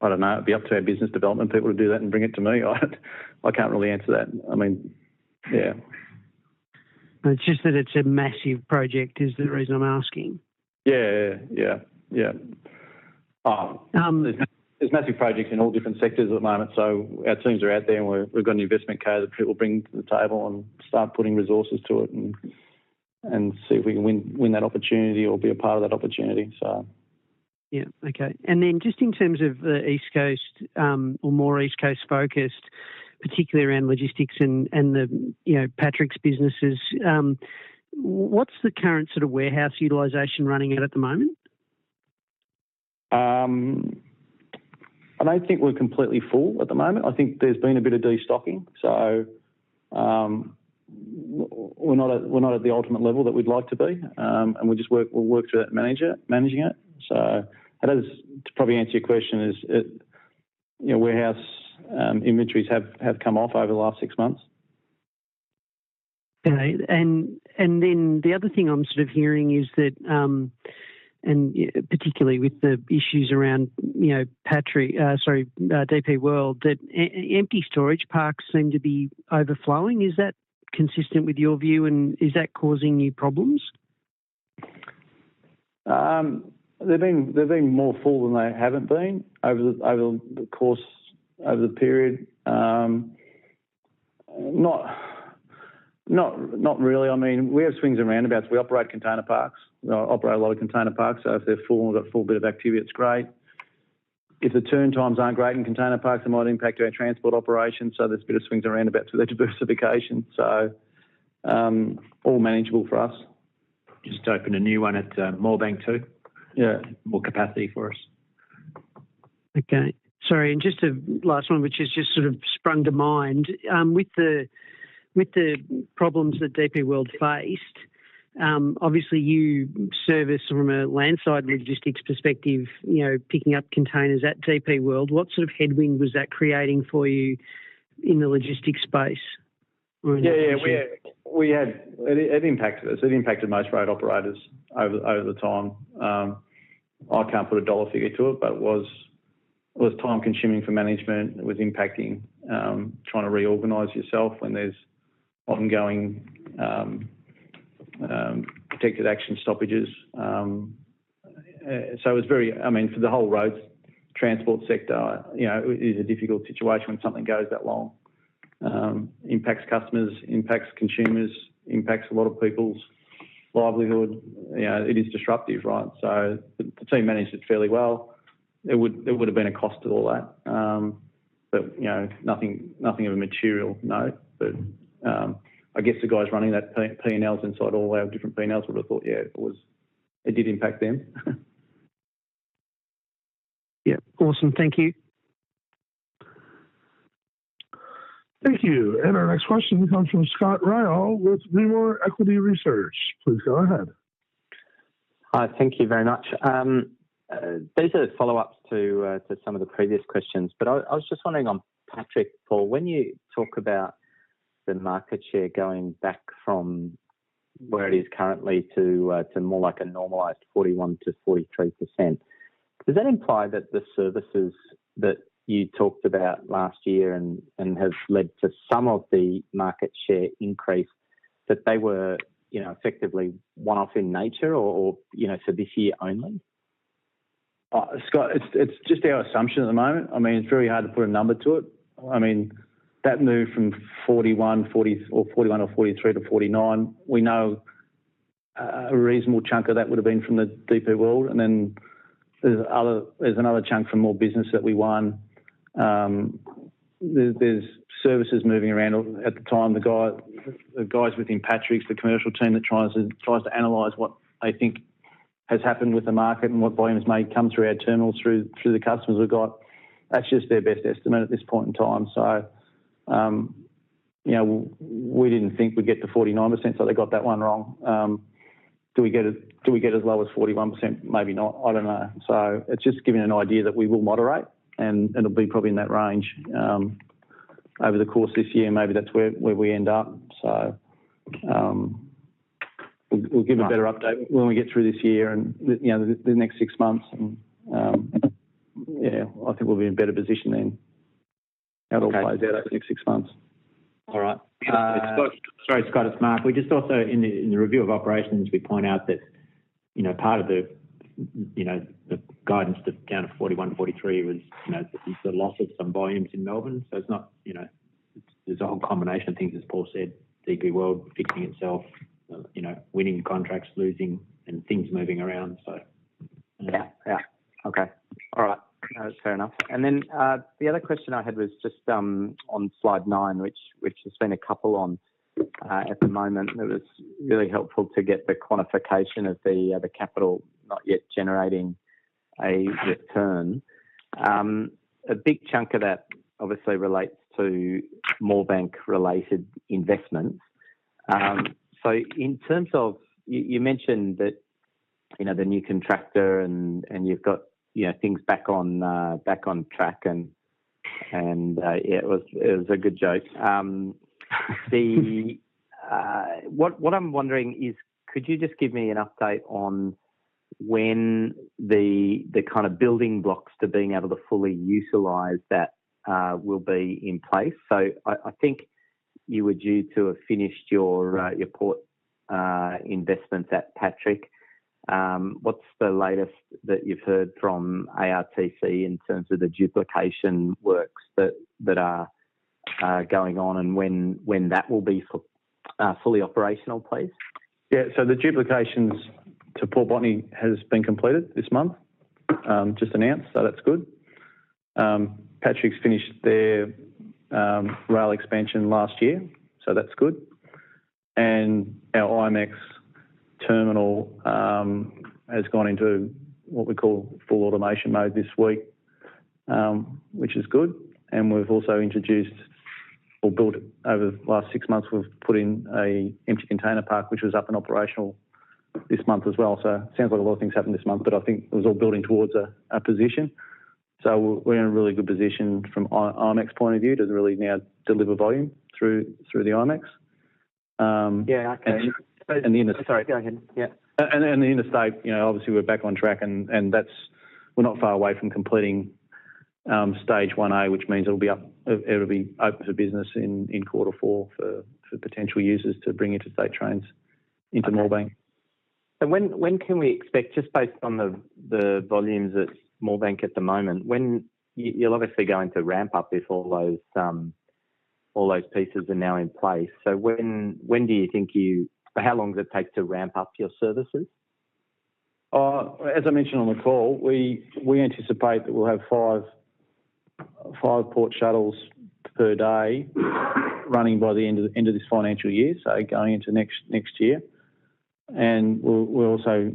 I don't know. It'd be up to our business development people to do that and bring it to me. I can't really answer that. I mean, yeah. It's just that it's a massive project, is the reason I'm asking. Yeah. There's massive projects in all different sectors at the moment. So our teams are out there. We've got an investment carrier that we'll bring to the table and start putting resources to it and see if we can win that opportunity or be a part of that opportunity, so. Yeah. Okay. And then just in terms of the East Coast or more East Coast-focused, particularly around logistics and the Patrick's businesses, what's the current sort of warehouse utilization running at the moment? I don't think we're completely full at the moment. I think there's been a bit of destocking. So we're not at the ultimate level that we'd like to be. And we'll work through that, managing it. So to probably answer your question, warehouse inventories have come off over the last six months. Okay. And then the other thing I'm sort of hearing is that, and particularly with the issues around Patrick, sorry, DP World, that empty storage parks seem to be overflowing. Is that consistent with your view? And is that causing you problems? They've been more full than they haven't been over the course, over the period. Not really. I mean, we have swings and roundabouts. We operate container parks. We operate a lot of container parks. So if they're full and we've got a full bit of activity, it's great. If the turn times aren't great in container parks, it might impact our transport operations. So there's a bit of swings and roundabouts with our diversification. So all manageable for us. Just open a new one at Moorebank too, more capacity for us. Okay. Sorry. And just a last one, which has just sort of sprung to mind. With the problems that DP World faced, obviously, you service from an inland logistics perspective, picking up containers at DP World. What sort of headwind was that creating for you in the logistics space? Yeah. Yeah. It impacted us. It impacted most road operators over the time. I can't put a dollar figure to it, but it was time-consuming for management. It was impacting trying to reorganize yourself when there's ongoing protected action stoppages. So it was very I mean, for the whole roads transport sector, it is a difficult situation when something goes that long. It impacts customers, impacts consumers, impacts a lot of people's livelihood. It is disruptive, right? So the team managed it fairly well. There would have been a cost to all that, but nothing of a material note. But I guess the guys running that P&Ls inside all our different P&Ls would have thought, "Yeah, it did impact them. Yeah. Awesome. Thank you. Thank you. Our next question comes from Scott Ryall with Rimor Equity Research. Please go ahead. Hi. Thank you very much. These are follow-ups to some of the previous questions. But I was just wondering on Patrick, Paul, when you talk about the market share going back from where it is currently to more like a normalized 41%-43%, does that imply that the services that you talked about last year and have led to some of the market share increase, that they were effectively one-off in nature or for this year only? Scott, it's just our assumption at the moment. I mean, it's very hard to put a number to it. I mean, that move from 41 or 43 to 49, we know a reasonable chunk of that would have been from the DP World. And then there's another chunk from more business that we won. There's services moving around at the time. The guys within Patrick's, the commercial team that tries to analyze what they think has happened with the market and what volume has made come through our terminals, through the customers we've got, that's just their best estimate at this point in time. So we didn't think we'd get to 49%. So they got that one wrong. Do we get as low as 41%? Maybe not. I don't know. So it's just giving an idea that we will moderate. It'll be probably in that range over the course this year. Maybe that's where we end up. We'll give a better update when we get through this year and the next six months. Yeah, I think we'll be in better position then how it all plays out over the next six months. All right. Sorry, Scott. It's Mark. We just also in the review of operations, we point out that part of the guidance down to 41-43 was the loss of some volumes in Melbourne. So it's not there's a whole combination of things, as Paul said, DP World fixing itself, winning contracts, losing, and things moving around, so. Yeah. Yeah. Okay. All right. No, that's fair enough. And then the other question I had was just on slide nine, which there's been a couple on at the moment. It was really helpful to get the quantification of the capital not yet generating a return. A big chunk of that obviously relates to Moorebank-related investments. So in terms of you mentioned that the new contractor and you've got things back on track. And yeah, it was a good joke. What I'm wondering is, could you just give me an update on when the kind of building blocks to being able to fully utilise that will be in place? So I think you were due to have finished your port investments at Patrick. What's the latest that you've heard from ARTC in terms of the duplication works that are going on? And when that will be fully operational, please? Yeah. So the duplications to Port Botany has been completed this month, just announced. So that's good. Patrick's finished their rail expansion last year. So that's good. And our IMEX terminal has gone into what we call full automation mode this week, which is good. And we've also introduced or built over the last 6 months, we've put in an empty container park, which was up and operational this month as well. So it sounds like a lot of things happened this month, but I think it was all building towards a position. So we're in a really good position from IMEX point of view to really now deliver volume through the IMEX. Yeah. Okay. And the. Sorry. Go ahead. Yeah. And the interstate, obviously, we're back on track. And we're not far away from completing Stage 1A, which means it'll be open for business in quarter four for potential users to bring interstate trains into Moorebank. When can we expect, just based on the volumes at Moorebank at the moment, when you'll obviously go into ramp-up if all those pieces are now in place? So when do you think you how long does it take to ramp up your services? As I mentioned on the call, we anticipate that we'll have 5 port shuttles per day running by the end of this financial year, so going into next year. And we're also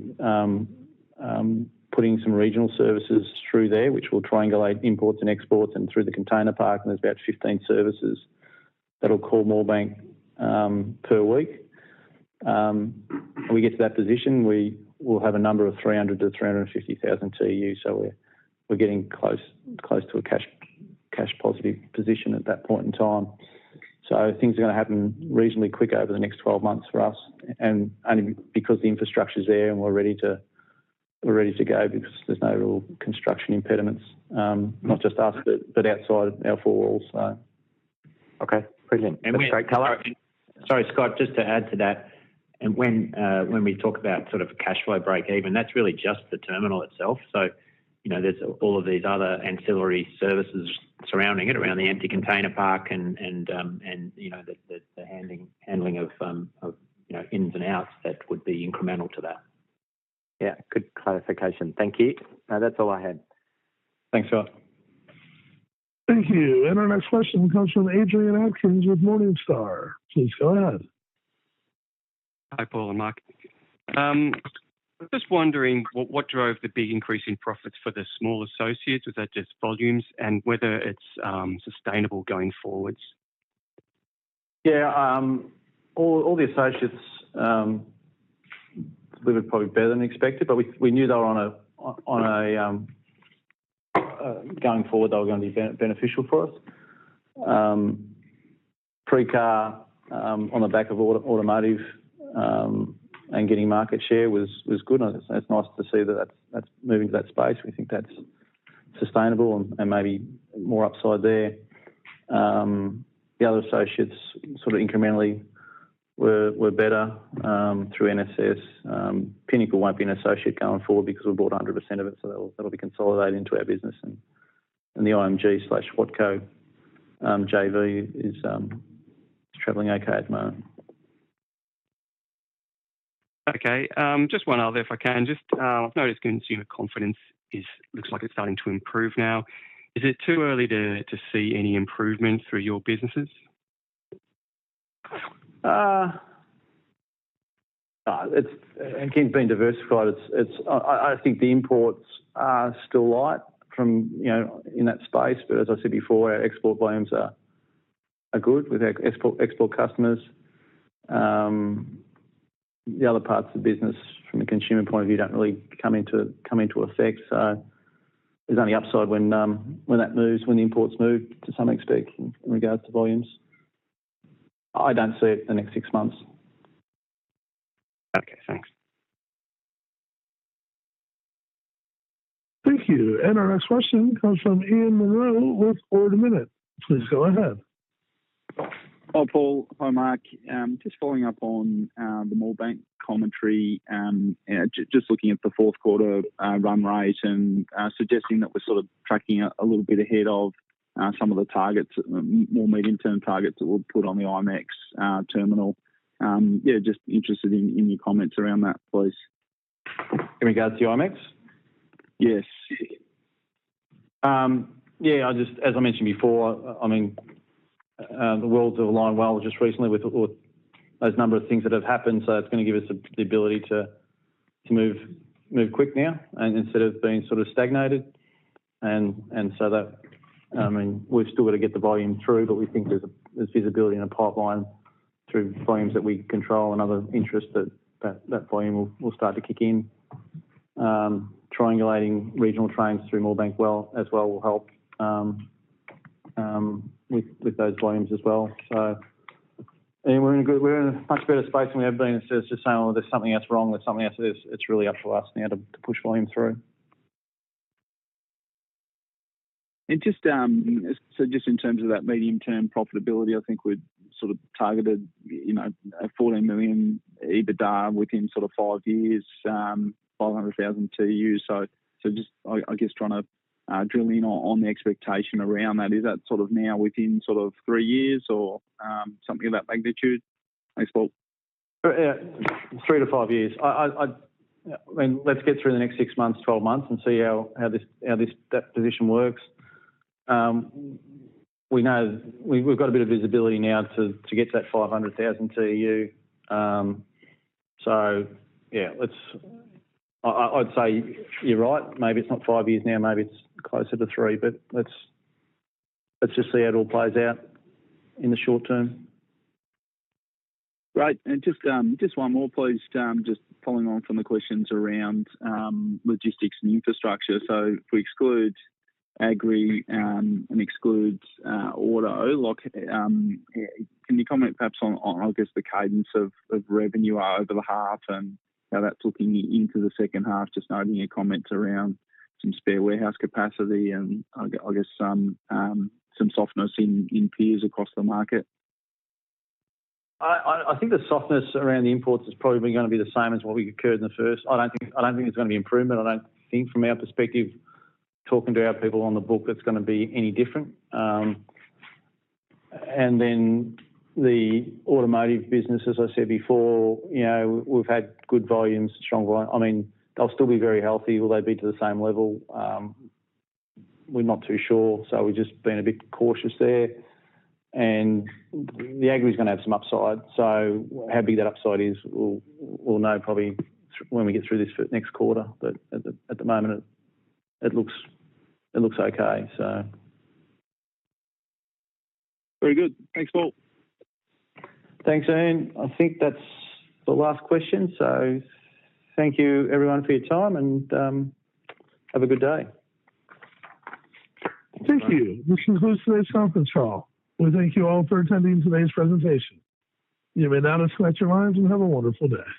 putting some regional services through there, which will triangulate imports and exports and through the container park. And there's about 15 services that'll call Moorebank per week. When we get to that position, we'll have a number of 300,000-350,000 TEUs. So we're getting close to a cash-positive position at that point in time. So things are going to happen reasonably quick over the next 12 months for us, and only because the infrastructure's there and we're ready to go because there's no real construction impediments, not just us, but outside our four walls, so. Okay. Brilliant. That's great color. Sorry, Scott, just to add to that, when we talk about sort of cash flow break-even, that's really just the terminal itself. So there's all of these other ancillary services surrounding it, around the empty container park and the handling of ins and outs that would be incremental to that. Yeah. Good clarification. Thank you. No, that's all I had. Thanks, Scott. Thank you. Our next question comes from Adrian Atkins with Morningstar. Please go ahead. Hi, Paul and Mark. I'm just wondering what drove the big increase in profits for the small associates. Was that just volumes and whether it's sustainable going forwards? Yeah. All the associates delivered probably better than expected, but we knew they were on a going forward, they were going to be beneficial for us. PrixCar on the back of automotive and getting market share was good. And it's nice to see that that's moving to that space. We think that's sustainable and maybe more upside there. The other associates sort of incrementally were better through NSS. Pinnacle won't be an associate going forward because we bought 100% of it. So that'll be consolidated into our business. And the IMG/Whatco JV is traveling okay at the moment. Okay. Just one other if I can. I've noticed consumer confidence looks like it's starting to improve now. Is it too early to see any improvement through your businesses? It keeps being diversified. I think the imports are still light in that space. But as I said before, our export volumes are good with our export customers. The other parts of the business, from a consumer point of view, don't really come into effect. So there's only upside when that moves, when the imports move to some extent in regards to volumes. I don't see it the next six months. Okay. Thanks. Thank you. Our next question comes from Ian Munro with Ord Minnett. Please go ahead. Hi, Paul. Hi, Mark. Just following up on the Moorebank commentary, just looking at the fourth quarter run rate and suggesting that we're sort of tracking a little bit ahead of some of the targets, more medium-term targets that we'll put on the IMEX terminal. Yeah, just interested in your comments around that, please. In regards to IMEX? Yes. Yeah. As I mentioned before, I mean, the worlds have aligned well just recently with those number of things that have happened. So it's going to give us the ability to move quick now instead of being sort of stagnated. And so that, I mean, we've still got to get the volume through, but we think there's visibility in a pipeline through volumes that we control and other interests that that volume will start to kick in. Triangulating regional trains through Moorebank well as well will help with those volumes as well. And we're in a much better space than we have been instead of just saying, "Oh, there's something else wrong. There's something else." It's really up to us now to push volume through. And so just in terms of that medium-term profitability, I think we sort of targeted 14 million EBITDA within sort of fivee years, 500,000 TEUs. So just, I guess, trying to drill in on the expectation around that, is that sort of now within sort of thrree years or something of that magnitude, I suppose? Yeah. three to five years. I mean, let's get through the next six months, 12 months, and see how that position works. We've got a bit of visibility now to get to that 500,000 TEU. So yeah, I'd say you're right. Maybe it's not five years now. Maybe it's closer to three. But let's just see how it all plays out in the short term. Right. Just one more, please. Just following on from the questions around logistics and infrastructure. So if we exclude Agri and exclude Auto, can you comment perhaps on, I guess, the cadence of revenue over the half and how that's looking into the second half, just noting your comments around some spare warehouse capacity and, I guess, some softness in peers across the market? I think the softness around the imports has probably been going to be the same as what we saw in the first. I don't think there's going to be improvement. I don't think, from our perspective, talking to our people on the ground, it's going to be any different. And then the automotive business, as I said before, we've had good volumes, strong volume. I mean, they'll still be very healthy. Will they be to the same level? We're not too sure. So we've just been a bit cautious there. And the Agri's going to have some upside. So how big that upside is, we'll know probably when we get through this next quarter. But at the moment, it looks okay, so. Very good. Thanks, Paul. Thanks, Ian. I think that's the last question. So thank you, everyone, for your time. And have a good day. Thank you. This concludes today's conference call. We thank you all for attending today's presentation. You may now disconnect your lines and have a wonderful day.